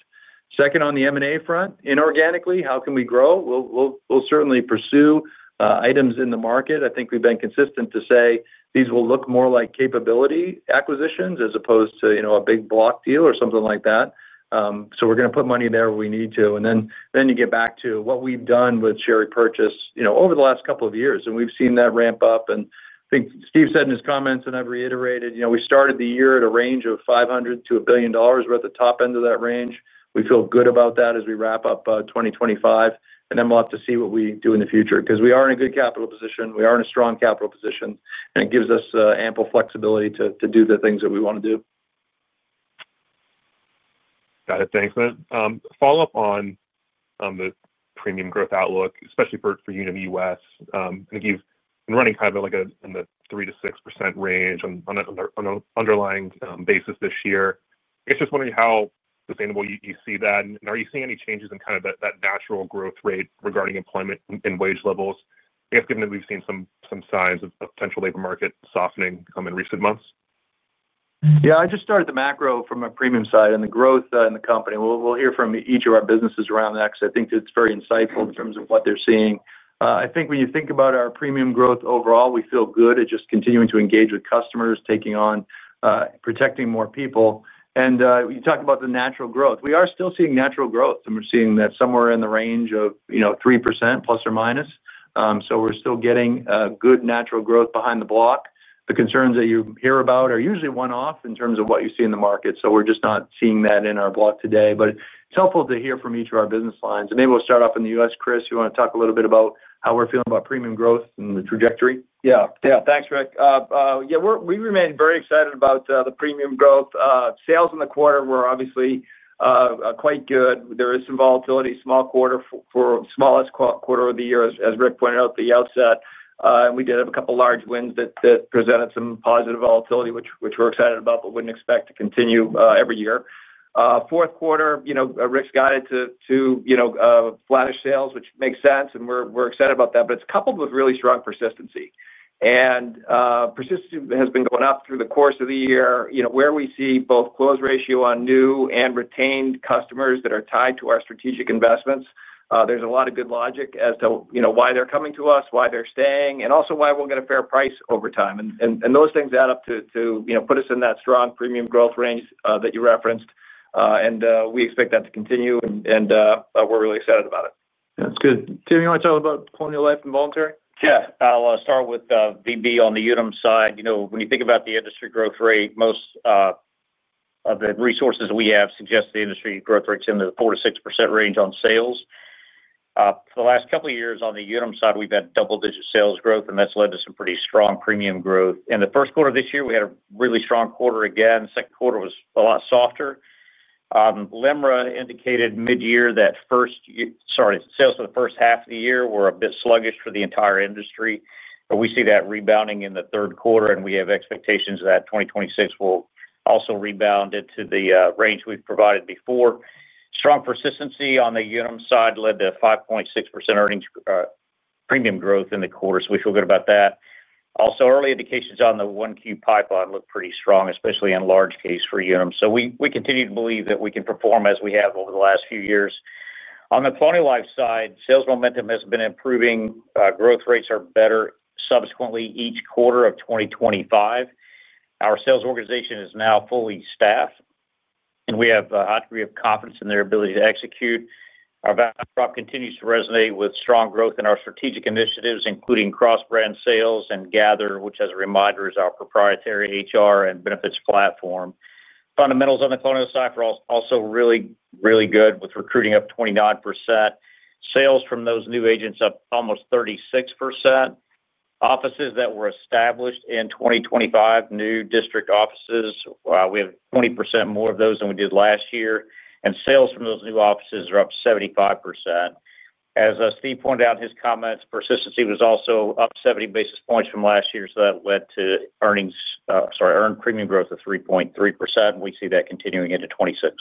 Second, on the M&A front, inorganically, how can we grow? We'll certainly pursue items in the market. I think we've been consistent to say these will look more like capability acquisitions as opposed to a big block deal or something like that. So we're going to put money there where we need to. And then you get back to what we've done with share repurchase over the last couple of years. And we've seen that ramp up. And I think Steve said in his comments, and I've reiterated, we started the year at a range of $500 million-$1 billion. We're at the top end of that range. We feel good about that as we wrap up 2025. And then we'll have to see what we do in the future because we are in a good capital position. We are in a strong capital position. And it gives us ample flexibility to do the things that we want to do. Got it. Thanks, man. Follow up on the premium growth outlook, especially for Unum US. I think you've been running kind of in the 3%-6% range on an underlying basis this year. I guess just wondering how sustainable you see that. And are you seeing any changes in kind of that natural growth rate regarding employment and wage levels, I guess, given that we've seen some signs of potential labor market softening in recent months? Yeah. I just started the macro from a premium side and the growth in the company. We'll hear from each of our businesses around that because I think it's very insightful in terms of what they're seeing. I think when you think about our premium growth overall, we feel good at just continuing to engage with customers, taking on protecting more people. And you talk about the natural growth. We are still seeing natural growth, and we're seeing that somewhere in the range of 3%±. So we're still getting good natural growth behind the block. The concerns that you hear about are usually one-off in terms of what you see in the market. So we're just not seeing that in our block today. But it's helpful to hear from each of our business lines. And maybe we'll start off in the U.S., Chris. You want to talk a little bit about how we're feeling about premium growth and the trajectory? Yeah. Yeah. Thanks, Rick. Yeah, we remain very excited about the premium growth. Sales in the quarter were obviously quite good. There is some volatility, small quarter for smallest quarter of the year, as Rick pointed out at the outset. And we did have a couple of large wins that presented some positive volatility, which we're excited about, but wouldn't expect to continue every year. Fourth quarter, Rick's got it to. Flattish sales, which makes sense, and we're excited about that. But it's coupled with really strong persistency. And persistency has been going up through the course of the year, where we see both close ratio on new and retained customers that are tied to our strategic investments. There's a lot of good logic as to why they're coming to us, why they're staying, and also why we'll get a fair price over time. And those things add up to put us in that strong premium growth range that you referenced. And we expect that to continue, and we're really excited about it. That's good. Tim, you want to talk about Colonial Life and voluntary? Yeah. I'll start with Unum U.S. on the Unum side. When you think about the industry growth rate, most. Of the resources we have suggest the industry growth rates in the 4%-6% range on sales. For the last couple of years on the Unum side, we've had double-digit sales growth, and that's led to some pretty strong premium growth. In the first quarter of this year, we had a really strong quarter again. The second quarter was a lot softer. LIMRA indicated mid-year that first—sorry, sales for the first half of the year were a bit sluggish for the entire industry. But we see that rebounding in the third quarter, and we have expectations that 2026 will also rebound into the range we've provided before. Strong persistency on the Unum side led to 5.6% earned premium growth in the quarter, so we feel good about that. Also, early indications on the Q1 pipeline look pretty strong, especially in large case for Unum. So we continue to believe that we can perform as we have over the last few years. On the Colonial Life side, sales momentum has been improving. Growth rates are better subsequently each quarter of 2025. Our sales organization is now fully staffed, and we have a high degree of confidence in their ability to execute. Our value prop continues to resonate with strong growth in our strategic initiatives, including cross-brand sales and Gather, which, as a reminder, is our proprietary HR and benefits platform. Fundamentals on the Colonial side are also really, really good with recruiting up 29%. Sales from those new agents up almost 36%. Offices that were established in 2025, new district offices, we have 20% more of those than we did last year. And sales from those new offices are up 75%. As Steve pointed out in his comments, persistency was also up 70 basis points from last year, so that led to earned premium growth of 3.3%. We see that continuing into 2026.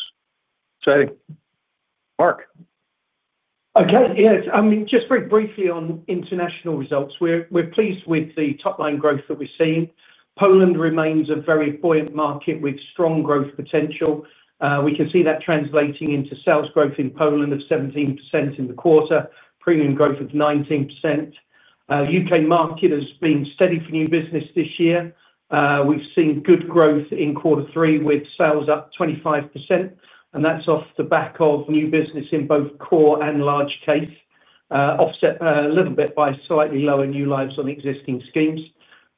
Exciting. Mark. Okay. Yeah. I mean, just very briefly on international results, we're pleased with the top-line growth that we're seeing. Poland remains a very buoyant market with strong growth potential. We can see that translating into sales growth in Poland of 17% in the quarter, premium growth of 19%. U.K. market has been steady for new business this year. We've seen good growth in quarter three with sales up 25%. And that's off the back of new business in both core and large case, offset a little bit by slightly lower new lives on existing schemes.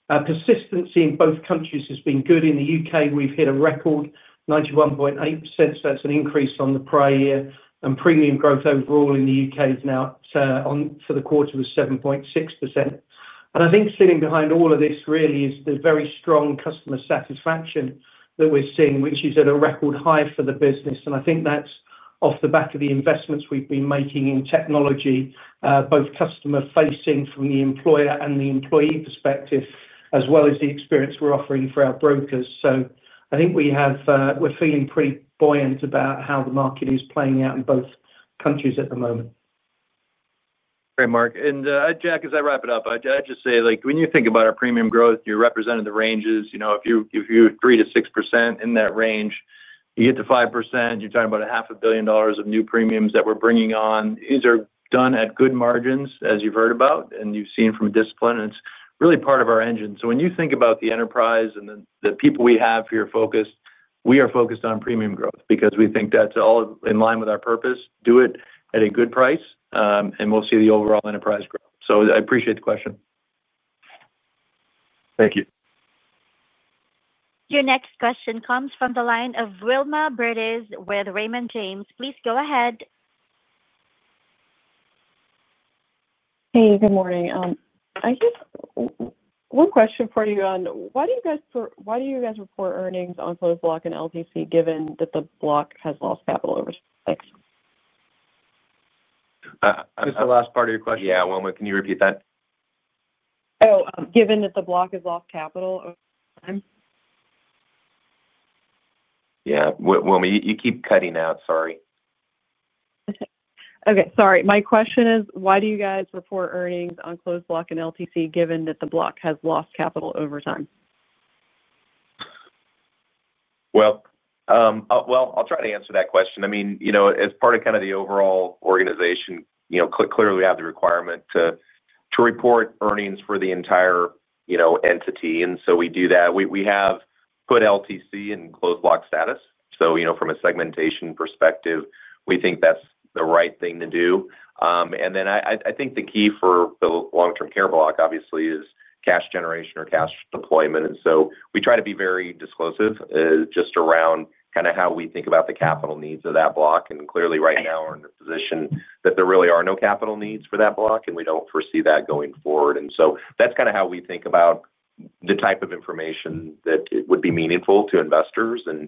Persistency in both countries has been good. In the U.K., we've hit a record, 91.8%. So that's an increase on the prior year. And premium growth overall in the U.K. is now for the quarter was 7.6%. And I think sitting behind all of this really is the very strong customer satisfaction that we're seeing, which is at a record high for the business. And I think that's off the back of the investments we've been making in technology, both customer-facing from the employer and the employee perspective, as well as the experience we're offering for our brokers. So I think we're feeling pretty buoyant about how the market is playing out in both countries at the moment. Great, Mark. And Jack, as I wrap it up, I'd just say when you think about our premium growth, you're representing the ranges. If you're 3%-6% in that range, you get to 5%. You're talking about $500 million of new premiums that we're bringing on. These are done at good margins, as you've heard about, and you've seen from discipline. And it's really part of our engine. So when you think about the enterprise and the people we have here focused, we are focused on premium growth because we think that's all in line with our purpose, do it at a good price, and we'll see the overall enterprise growth. So I appreciate the question. Thank you. Your next question comes from the line of Wilma Burdis with Raymond James. Please go ahead. Hey, good morning. I guess. One question for you on why do you guys report earnings on closed block and LTC given that the block has lost capital over six? Just the last part of your question. Yeah, Wilma, can you repeat that? Oh, given that the block has lost capital over time? Yeah. Wilma, you keep cutting out. Sorry. Okay. Sorry. My question is, why do you guys report earnings on closed block and LTC given that the block has lost capital over time? Well, I'll try to answer that question. I mean, as part of kind of the overall organization, clearly we have the requirement to report earnings for the entire entity. And so we do that. We have put LTC in closed block status. So from a segmentation perspective, we think that's the right thing to do. And then I think the key for the long-term care block, obviously, is cash generation or cash deployment. And so we try to be very disclosive just around kind of how we think about the capital needs of that block. And clearly, right now, we're in a position that there really are no capital needs for that block, and we don't foresee that going forward. And so that's kind of how we think about. The type of information that would be meaningful to investors. And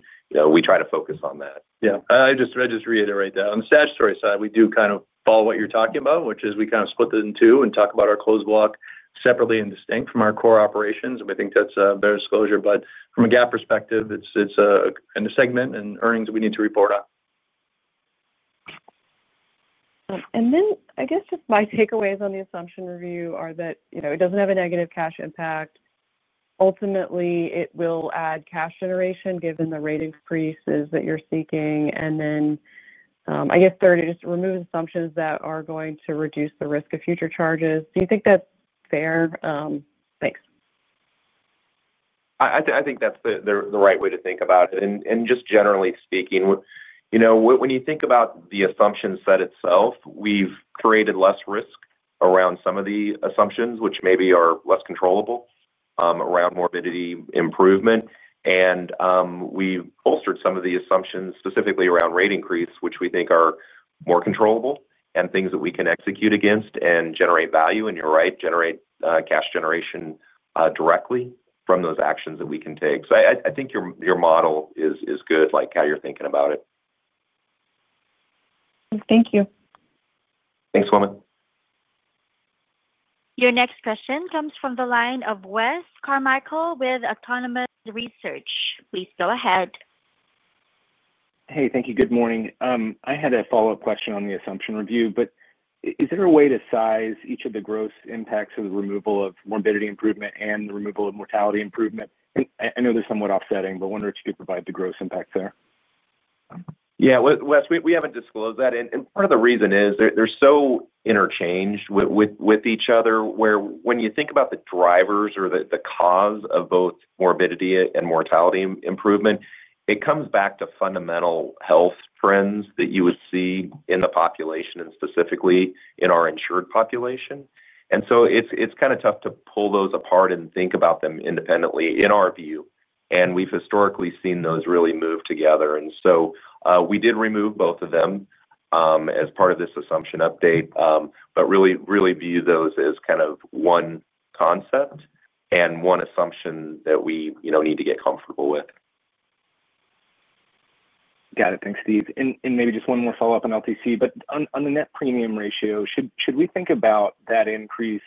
we try to focus on that. Yeah. I just reiterate that. On the statutory side, we do kind of follow what you're talking about, which is we kind of split it in two and talk about our closed block separately and distinct from our core operations. And we think that's a better disclosure. But from a GAAP perspective, it's in a segment and earnings that we need to report on. And then, I guess, just my takeaways on the assumption review are that it doesn't have a negative cash impact. Ultimately, it will add cash generation given the rating increases that you're seeking. And then, I guess, third, it just removes assumptions that are going to reduce the risk of future charges. Do you think that's fair? Thanks. I think that's the right way to think about it. And just generally speaking. When you think about the assumption set itself, we've created less risk around some of the assumptions, which maybe are less controllable around morbidity improvement. And we've bolstered some of the assumptions specifically around rate increase, which we think are more controllable and things that we can execute against and generate value. And you're right, generate cash generation directly from those actions that we can take. So I think your model is good, like how you're thinking about it. Thank you. Thanks, Wilma. Your next question comes from the line of Wes Carmichael with Autonomous Research. Please go ahead. Hey, thank you. Good morning. I had a follow-up question on the assumption review, but is there a way to size each of the gross impacts of the removal of morbidity improvement and the removal of mortality improvement? I know they're somewhat offsetting, but I wonder if you could provide the gross impact there. Yeah. Wes, we haven't disclosed that. And part of the reason is they're so interchanged with each other where when you think about the drivers or the cause of both morbidity and mortality improvement, it comes back to fundamental health trends that you would see in the population and specifically in our insured population. And so it's kind of tough to pull those apart and think about them independently in our view. And we've historically seen those really move together. And so we did remove both of them. As part of this assumption update, but really view those as kind of one concept and one assumption that we need to get comfortable with. Got it. Thanks, Steve. And maybe just one more follow-up on LTC. But on the net premium ratio, should we think about that increase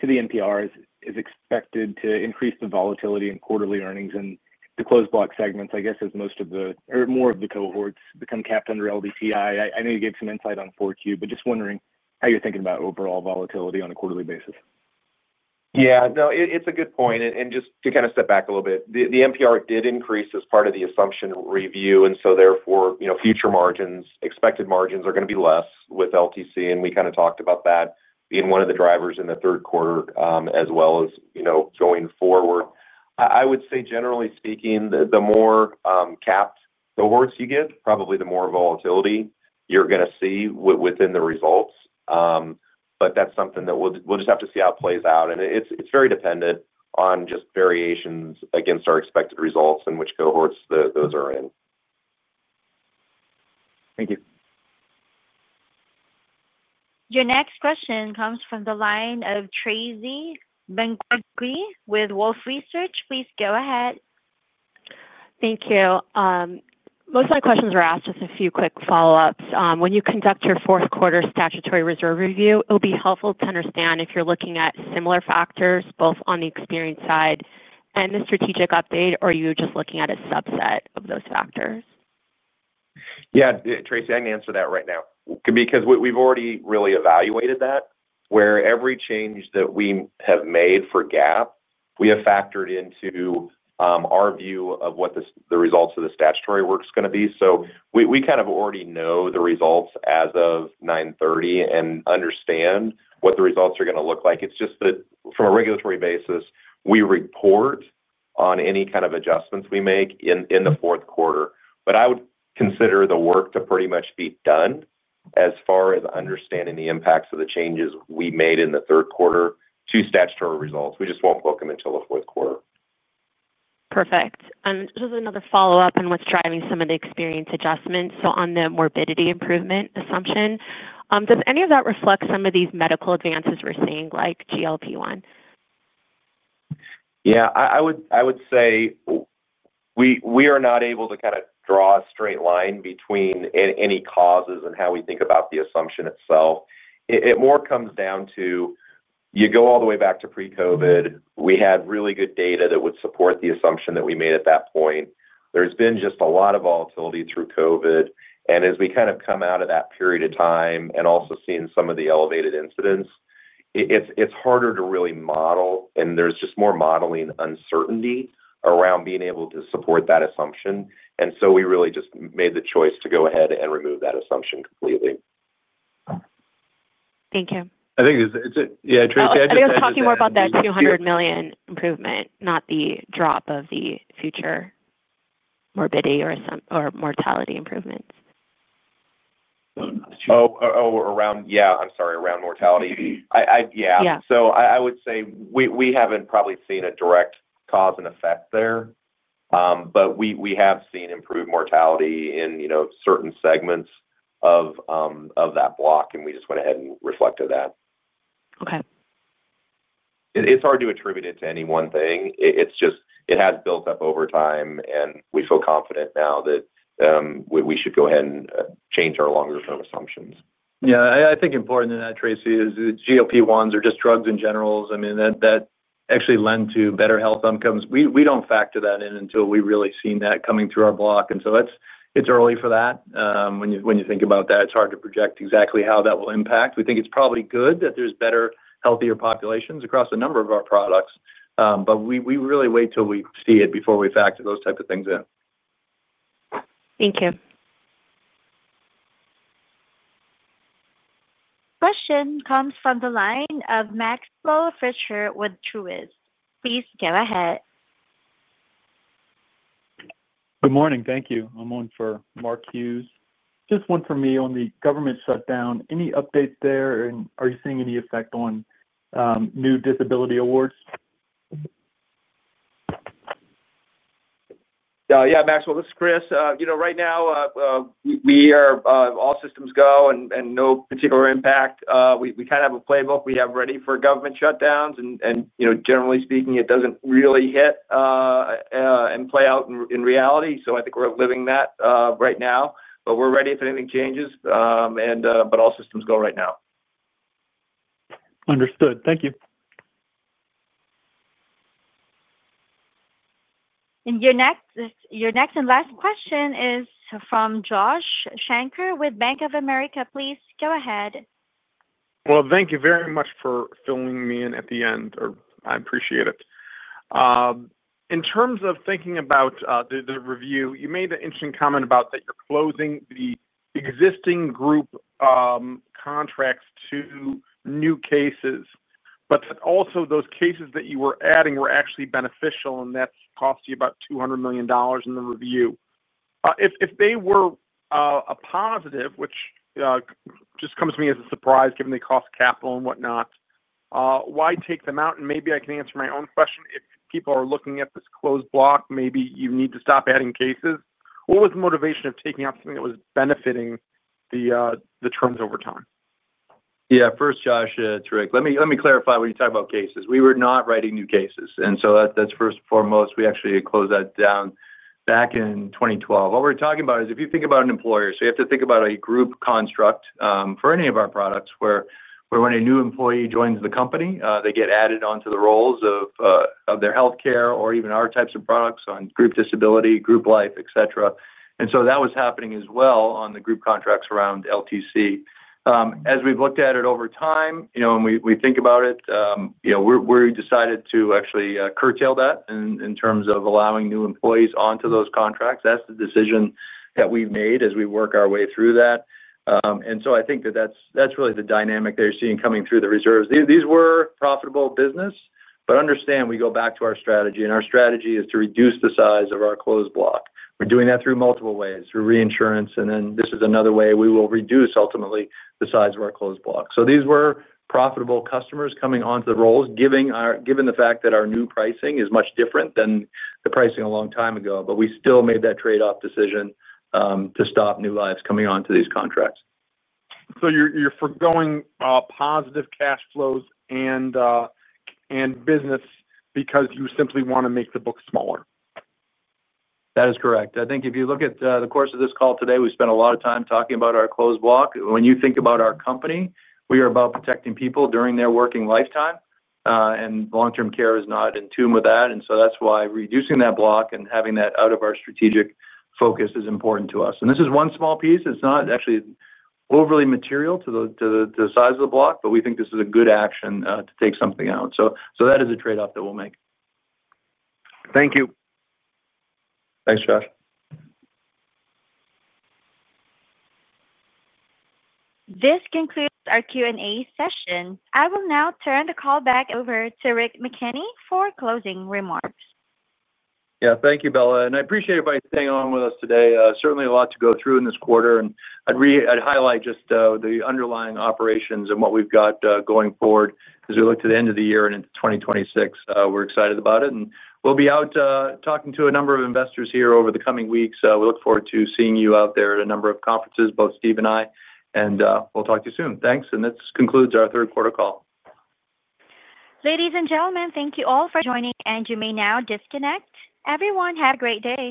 to the NPRs is expected to increase the volatility in quarterly earnings and the closed block segments, I guess, as most of the or more of the cohorts become capped under LDTI? I know you gave some insight on 4Q, but just wondering how you're thinking about overall volatility on a quarterly basis. Yeah. No, it's a good point. And just to kind of step back a little bit, the NPR did increase as part of the assumption review. And so therefore, future margins, expected margins are going to be less with LTC. And we kind of talked about that being one of the drivers in the third quarter as well as going forward. I would say, generally speaking, the more capped cohorts you get, probably the more volatility you're going to see within the results. But that's something that we'll just have to see how it plays out. And it's very dependent on just variations against our expected results and which cohorts those are in. Thank you. Your next question comes from the line of Tracy Benguigui with Wolfe Research. Please go ahead. Thank you. Most of my questions were asked with a few quick follow-ups. When you conduct your fourth quarter statutory reserve review, it will be helpful to understand if you're looking at similar factors both on the experience side and the strategic update, or are you just looking at a subset of those factors? Yeah, Tracy, I can answer that right now. Because we've already really evaluated that where every change that we have made for GAAP, we have factored into. Our view of what the results of the statutory work is going to be. So we kind of already know the results as of 9/30 and understand what the results are going to look like. It's just that from a regulatory basis, we report on any kind of adjustments we make in the fourth quarter. But I would consider the work to pretty much be done as far as understanding the impacts of the changes we made in the third quarter to statutory results. We just won't book them until the fourth quarter. Perfect. And just another follow-up on what's driving some of the experience adjustments. So on the morbidity improvement assumption, does any of that reflect some of these medical advances we're seeing like GLP-1? Yeah. I would say. We are not able to kind of draw a straight line between. Any causes and how we think about the assumption itself. It more comes down to. You go all the way back to pre-COVID. We had really good data that would support the assumption that we made at that point. There's been just a lot of volatility through COVID. And as we kind of come out of that period of time and also seeing some of the elevated incidents, it's harder to really model. And there's just more modeling uncertainty around being able to support that assumption. And so we really just made the choice to go ahead and remove that assumption completely. Thank you. I think it's, yeah. I was talking more about that $200 million improvement, not the drop of the future morbidity or mortality improvements. Oh, around, yeah, I'm sorry, around mortality. Yeah. So I would say we haven't probably seen a direct cause and effect there, but we have seen improved mortality in certain segments of that block. And we just went ahead and reflected that. Okay. It's hard to attribute it to any one thing. It has built up over time, and we feel confident now that we should go ahead and change our longer-term assumptions. Yeah. I think important in that, Tracy, is GLP-1s or just drugs in general. I mean, that actually lends to better health outcomes. We don't factor that in until we've really seen that coming through our block. And so it's early for that. When you think about that, it's hard to project exactly how that will impact. We think it's probably good that there's better, healthier populations across a number of our products. But we really wait till we see it before we factor those types of things in. Thank you. Question comes from the line of Maxwell Fischer with Truist. Please go ahead. Good morning. Thank you. I'm on for Mark Hughes. Just one for me on the government shutdown. Any updates there? And are you seeing any effect on new disability awards? Yeah. Maxwell, this is Chris. Right now we are all systems go and no particular impact. We kind of have a playbook we have ready for government shutdowns. And generally speaking, it doesn't really hit and play out in reality. So I think we're living that right now. But we're ready if anything changes. But all systems go right now. Understood. Thank you. And your next and last question is from Josh Shanker with Bank of America. Please go ahead. Well, thank you very much for filling me in at the end. I appreciate it. In terms of thinking about the review, you made an interesting comment about that you're closing the existing group contracts to new cases, but also those cases that you were adding were actually beneficial, and that's cost you about $200 million in the review. If they were a positive, which just comes to me as a surprise given they cost capital and whatnot, why take them out? And maybe I can answer my own question. If people are looking at this closed block, maybe you need to stop adding cases. What was the motivation of taking out something that was benefiting the terms over time? Yeah. First, Josh, to Rick, let me clarify when you talk about cases. We were not writing new cases. And so that's first and foremost. We actually closed that down back in 2012. What we're talking about is if you think about an employer, so you have to think about a group construct for any of our products where when a new employee joins the company, they get added onto the rolls of. Their healthcare or even our types of products on group disability, group life, etc. And so that was happening as well on the group contracts around LTC. As we've looked at it over time and we think about it. We decided to actually curtail that in terms of allowing new employees onto those contracts. That's the decision that we've made as we work our way through that. And so I think that that's really the dynamic they're seeing coming through the reserves. These were profitable business, but understand we go back to our strategy. And our strategy is to reduce the size of our closed block. We're doing that through multiple ways, through reinsurance. And then this is another way we will reduce ultimately the size of our closed block. So these were profitable customers coming onto the rolls, given the fact that our new pricing is much different than the pricing a long time ago. But we still made that trade-off decision. To stop new lives coming onto these contracts. So you're forgoing positive cash flows and business because you simply want to make the block smaller? That is correct. I think if you look at the course of this call today, we spent a lot of time talking about our closed block. When you think about our company, we are about protecting people during their working lifetime. And long-term care is not in tune with that. And so that's why reducing that block and having that out of our strategic focus is important to us. And this is one small piece. It's not actually overly material to the size of the block, but we think this is a good action to take something out. So that is a trade-off that we'll make. Thank you. Thanks, Josh. This concludes our Q&A session. I will now turn the call back over to Rick McKenney for closing remarks. Yeah. Thank you, Bella. And I appreciate everybody staying on with us today. Certainly a lot to go through in this quarter. And I'd highlight just the underlying operations and what we've got going forward as we look to the end of the year and into 2026. We're excited about it. And we'll be out talking to a number of investors here over the coming weeks. We look forward to seeing you out there at a number of conferences, both Steve and I. And we'll talk to you soon. Thanks. And this concludes our third quarter call. Ladies and gentlemen, thank you all for joining. And you may now disconnect. Everyone, have a great day.